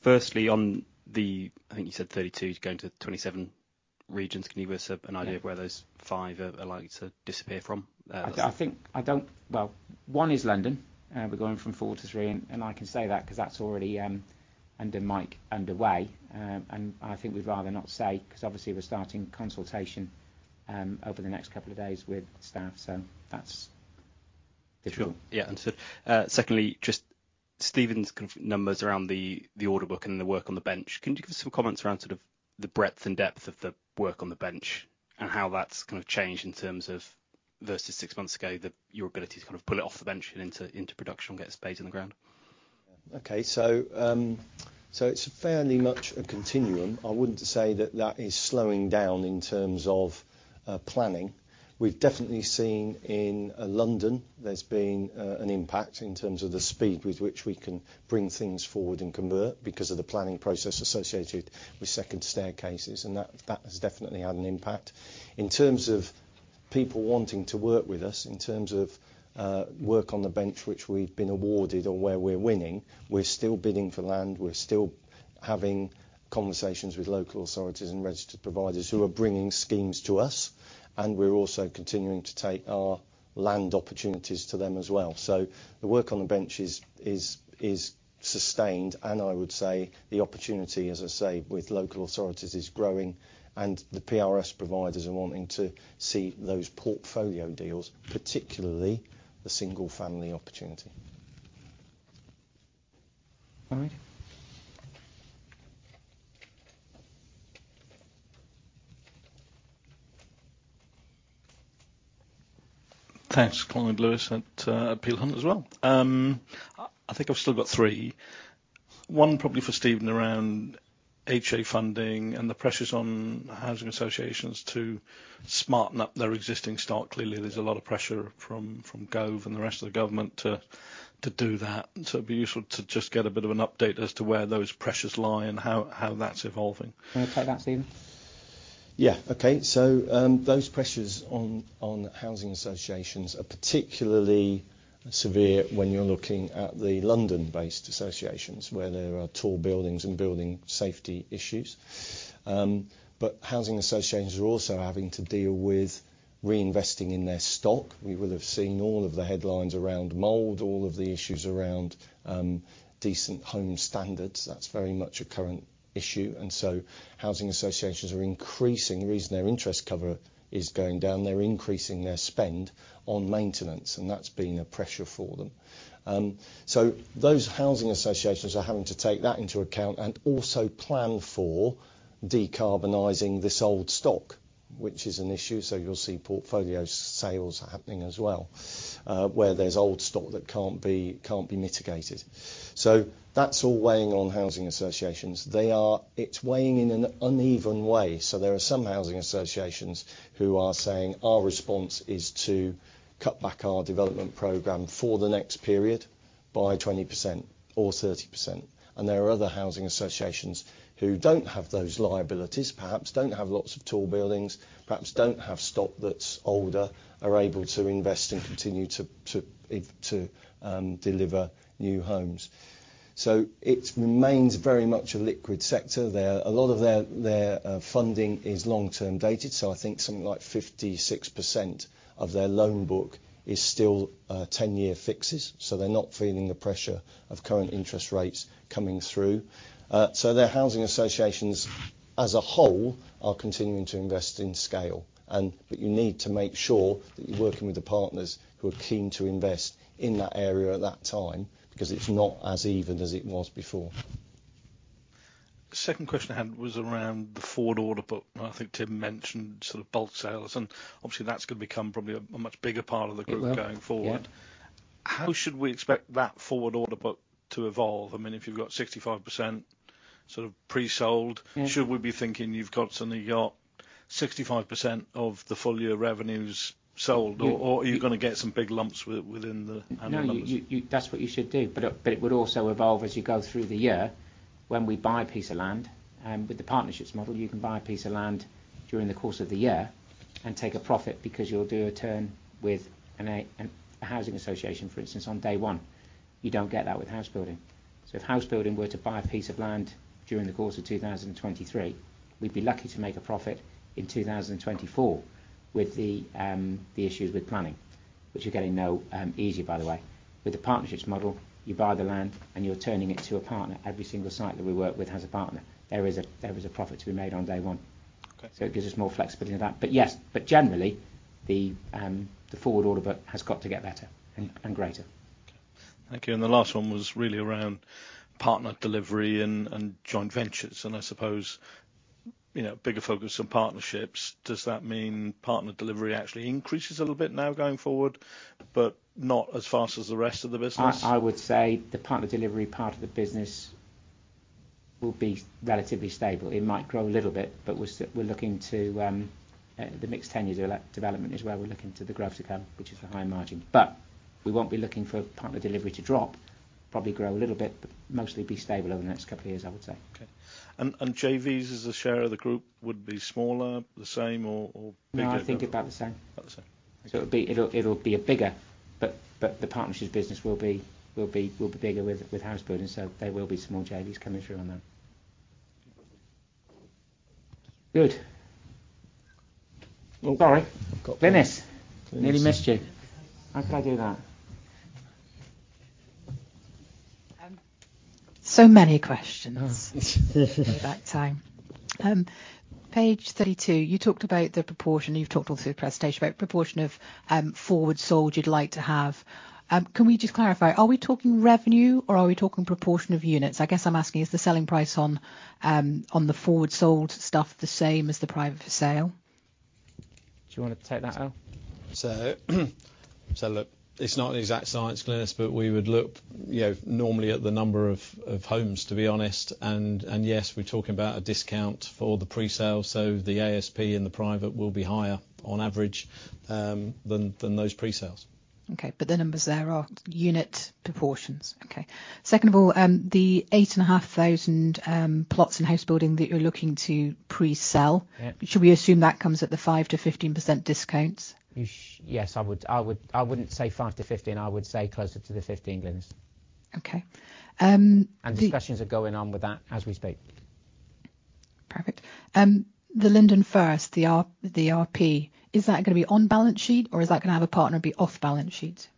Firstly, on the. I think you said 32 going to 27 regions, can you give us an idea of where those five are, are likely to disappear from? I think, well, one is London. We're going from four to three, and I can say that 'cause that's already under Mike, underway. And I think we'd rather not say, 'cause obviously, we're starting consultation over the next couple of days with staff, so that's for sure. Yeah, understood. Secondly, just Stephen's kind of numbers around the order book and the work on the bench. Can you give us some comments around sort of the breadth and depth of the work on the bench, and how that's kind of changed in terms of versus six months ago, your ability to kind of pull it off the bench and into production and get spades in the ground? Okay, so it's fairly much a continuum. I wouldn't say that that is slowing down in terms of planning. We've definitely seen in London, there's been an impact in terms of the speed with which we can bring things forward and convert, because of the planning process associated with second staircases, and that has definitely had an impact. In terms of people wanting to work with us, in terms of work on the bench, which we've been awarded or where we're winning, we're still bidding for land, we're still having conversations with local authorities and Registered Providers who are bringing schemes to us, and we're also continuing to take our land opportunities to them as well. So the work on the bench is sustained, and I would say the opportunity, as I say, with local authorities, is growing, and the PRS providers are wanting to see those portfolio deals, particularly the Single Family opportunity. All right. Thanks. Clyde Lewis at Peel Hunt as well. I think I've still got three. One probably for Stephen around HA funding and the pressures on housing associations to smarten up their existing stock. Clearly, there's a lot of pressure from Gove and the rest of the government to do that. So it'd be useful to just get a bit of an update as to where those pressures lie and how that's evolving. You want to take that, Stephen? Yeah. Okay, so, those pressures on housing associations are particularly severe when you're looking at the London-based associations, where there are tall buildings and building safety issues. But housing associations are also having to deal with reinvesting in their stock. You will have seen all of the headlines around mold, all of the issues around, Decent Homes standards. That's very much a current issue, and so housing associations are increasing. The reason their interest cover is going down, they're increasing their spend on maintenance, and that's been a pressure for them. So those housing associations are having to take that into account and also plan for decarbonizing this old stock, which is an issue, so you'll see portfolio sales happening as well, where there's old stock that can't be mitigated. So that's all weighing on housing associations. It's weighing in an uneven way, so there are some housing associations who are saying, "Our response is to cut back our development program for the next period by 20% or 30%." And there are other housing associations who don't have those liabilities, perhaps don't have lots of tall buildings, perhaps don't have stock that's older, are able to invest and continue to deliver new homes. So it remains very much a liquid sector there. A lot of their funding is long-term dated, so I think something like 56% of their loan book is still ten-year fixes, so they're not feeling the pressure of current interest rates coming through. So, their housing associations, as a whole, are continuing to invest in scale, but you need to make sure that you're working with the partners who are keen to invest in that area at that time, because it's not as even as it was before. Second question I had was around the forward order book, and I think Tim mentioned sort of bulk sales, and obviously that's going to become probably a much bigger part of the group going forward. Yeah. How should we expect that forward order book to evolve? I mean, if you've got 65% sort of pre-sold. Should we be thinking you've got, suddenly got 65% of the full year revenues sold? Or are you going to get some big lumps within the annual numbers? No, that's what you should do, but it would also evolve as you go through the year. When we buy a piece of land with the Partnerships model, you can buy a piece of land during the course of the year and take a profit because you'll do a turn with a housing association, for instance, on day one. You don't get that with Housebuilding. So if Housebuilding were to buy a piece of land during the course of 2023, we'd be lucky to make a profit in 2024 with the issues with planning, which are getting no easier, by the way. With the Partnerships model, you buy the land, and you're turning it to a partner. Every single site that we work with has a partner. There is a profit to be made on day one. Okay. So it gives us more flexibility with that. But yes, but generally, the forward order book has got to get better and greater. Thank you, and the last one was really around Partner Delivery and joint ventures, and I suppose, you know, bigger focus on Partnerships. Does that mean Partner Delivery actually increases a little bit now going forward, but not as fast as the rest of the business? I would say the Partner Delivery part of the business will be relatively stable. It might grow a little bit, but we're still looking to the Mixed Tenures development is where we're looking to the growth to come, which is the high margin. But we won't be looking for Partner Delivery to drop, probably grow a little bit, but mostly be stable over the next couple of years, I would say. Okay. And, and JVs as a share of the group would be smaller, the same or, or bigger? No, I think about the same. About the same. So it'll be a bigger, but the Partnerships business will be bigger with Housebuilding, so there will be some more JVs coming through on them. Good. Oh, sorry. I've got Glynis. Nearly missed you. How could I do that? So many questions. About time. Page 32, you talked about the proportion. You've talked all through the presentation about proportion of forward sold you'd like to have. Can we just clarify, are we talking revenue or are we talking proportion of units? I guess I'm asking, is the selling price on the forward sold stuff the same as the private for sale? Do you want to take that, Earl? So, so look, it's not an exact science, Glynis, but we would look, you know, normally at the number of homes, to be honest, and yes, we're talking about a discount for the pre-sale, so the ASP and the private will be higher on average than those pre-sales. Okay, but the numbers there are unit proportions? Okay. Second of all, the 8,500 plots in Housebuilding that you're looking to pre-sell. Yeah. Should we assume that comes at the 5%-15% discounts? Yes, I would. I wouldn't say 5%-15%, I would say closer to the 15%, Glynis. Okay. Discussions are going on with that as we speak. Perfect. The Linden First, the RP, is that gonna be on balance sheet, or is that gonna have a partner be off balance sheet? Ooh.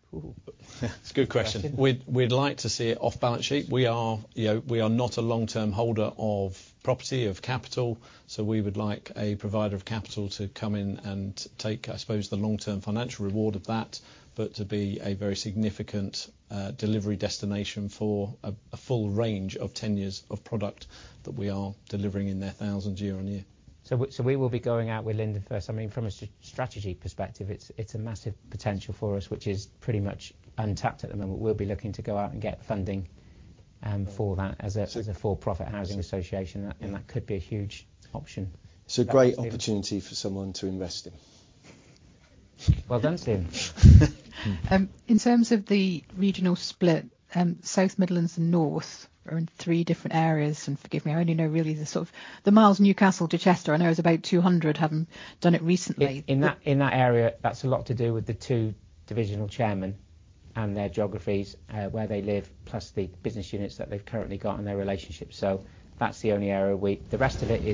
It's a good question. We'd like to see it off balance sheet. We are, you know, not a long-term holder of property, of capital, so we would like a provider of capital to come in and take, I suppose, the long-term financial reward of that, but to be a very significant delivery destination for a full range of tenures of product that we are delivering in their thousands year-on-year. So we will be going out with Linden First. I mean, from a strategy perspective, it's a massive potential for us, which is pretty much untapped at the moment. We'll be looking to go out and get funding for that as a for-profit housing association. That could be a huge option. It's a great opportunity for someone to invest in. Well done, Tim. In terms of the regional split, South Midlands and North are in three different areas, and forgive me, I only know really the sort of miles Newcastle to Chester. I know is about 200, haven't done it recently. In that area, that's a lot to do with the two Divisional Chairmen and their geographies, where they live, plus the business units that they've currently got and their relationships. So that's the only area. The rest of it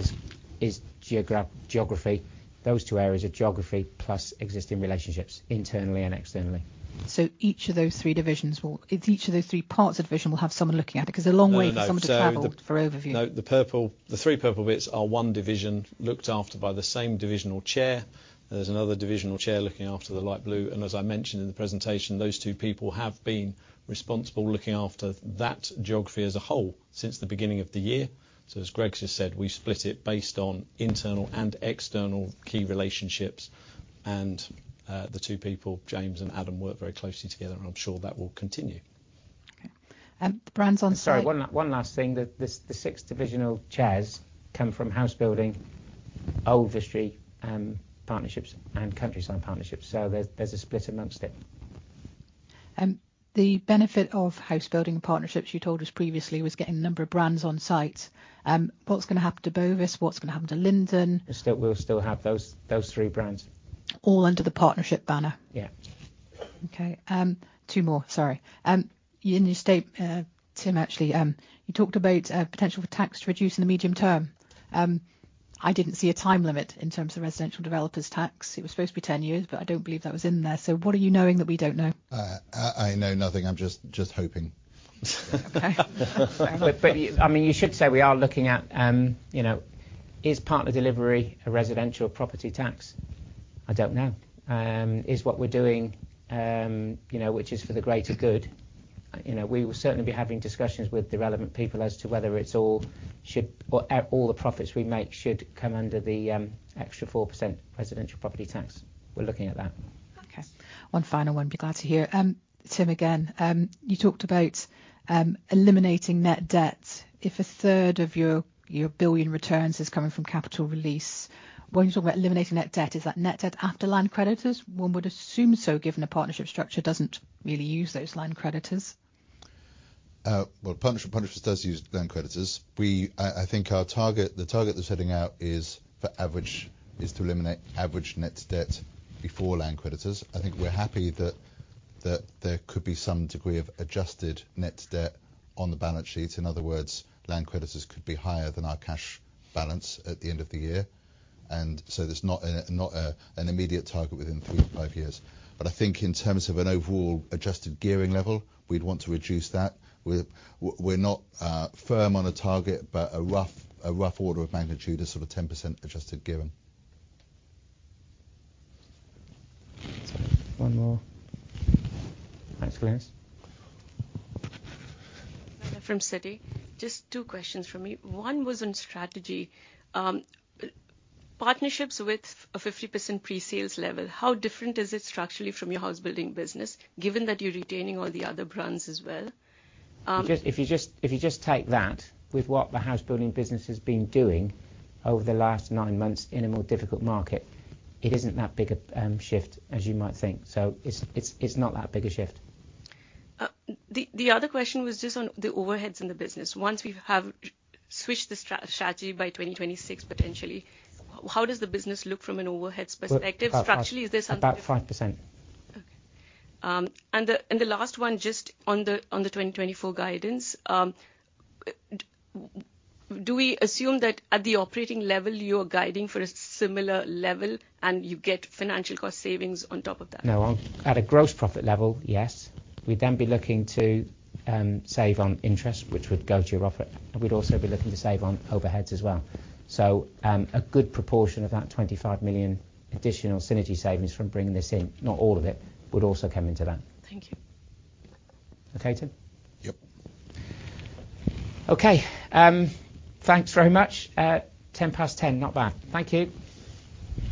is geography. Those two areas are geography plus existing relationships, internally and externally. So each of those three parts of division will have someone looking at it? No, no, no. Because it's a long way for someone to travel- So the- For overview. No, the purple, the three purple bits are one division looked after by the same divisional chair. There's another divisional chair looking after the light blue, and as I mentioned in the presentation, those two people have been responsible looking after that geography as a whole since the beginning of the year. So as Greg just said, we've split it based on internal and external key relationships, and the two people, James and Adam, work very closely together, and I'm sure that will continue. Okay. Brands on site. Sorry, one last thing. The six divisional chairs come from Housebuilding, Vistry, Partnerships and Countryside Partnerships, so there's a split amongst it. The benefit of Housebuilding Partnerships, you told us previously, was getting a number of brands on site. What's gonna happen to Bovis? What's gonna happen to Linden? We'll still have those three brands. All under the partnership banner? Yeah. Okay, two more, sorry. In your state, Tim, actually, you talked about potential for tax to reduce in the medium term. I didn't see a time limit in terms of Residential Developers Tax. It was supposed to be ten years, but I don't believe that was in there. So what are you knowing that we don't know? I know nothing. I'm just hoping. Okay. But, I mean, you should say we are looking at, you know, is Partner Delivery a Residential Property Tax? I don't know. Is what we're doing, you know, which is for the greater good. You know, we will certainly be having discussions with the relevant people as to whether it's all, should, or, all the profits we make should come under the, extra 4% Residential Property Tax. We're looking at that. Okay. One final one, you'll be glad to hear. Tim, again, you talked about eliminating net debt. If a third of your, your billion returns is coming from capital release, when you talk about eliminating net debt, is that net debt after land creditors? One would assume so, given a partnership structure doesn't really use those land creditors. Well, Countryside Partnerships does use land creditors. We, I think our target, the target they're setting out is for average, is to eliminate average net debt before land creditors. I think we're happy that, that there could be some degree of adjusted net debt on the balance sheet. In other words, land creditors could be higher than our cash balance at the end of the year, and so there's not, not, an immediate target within 3-5 years. But I think in terms of an overall adjusted gearing level, we'd want to reduce that. We're, we're not, firm on a target, but a rough, a rough order of magnitude is sort of a 10% adjusted gearing. One more. Thanks, Glynis. From Citi. Just two questions for me. One was on strategy. Partnerships with a 50% pre-sales level, how different is it structurally from your Housebuilding business, given that you're retaining all the other brands as well? If you just take that with what the Housebuilding business has been doing over the last nine months in a more difficult market, it isn't that big a shift, as you might think. So it's not that big a shift. The other question was just on the overheads in the business. Once we have switched the strategy by 2026, potentially, how does the business look from an overheads perspective? Structurally, is there something. About 5%. Okay. And the last one, just on the 2024 guidance, do we assume that at the operating level, you're guiding for a similar level, and you get financial cost savings on top of that? No, on, at a gross profit level, yes. We'd then be looking to save on interest, which would go to your profit. We'd also be looking to save on overheads as well. So, a good proportion of that 25 million additional synergy savings from bringing this in, not all of it, would also come into that. Thank you. Okay, Tim? Yep. Okay, thanks very much. 10:10 A.M., not bad. Thank you!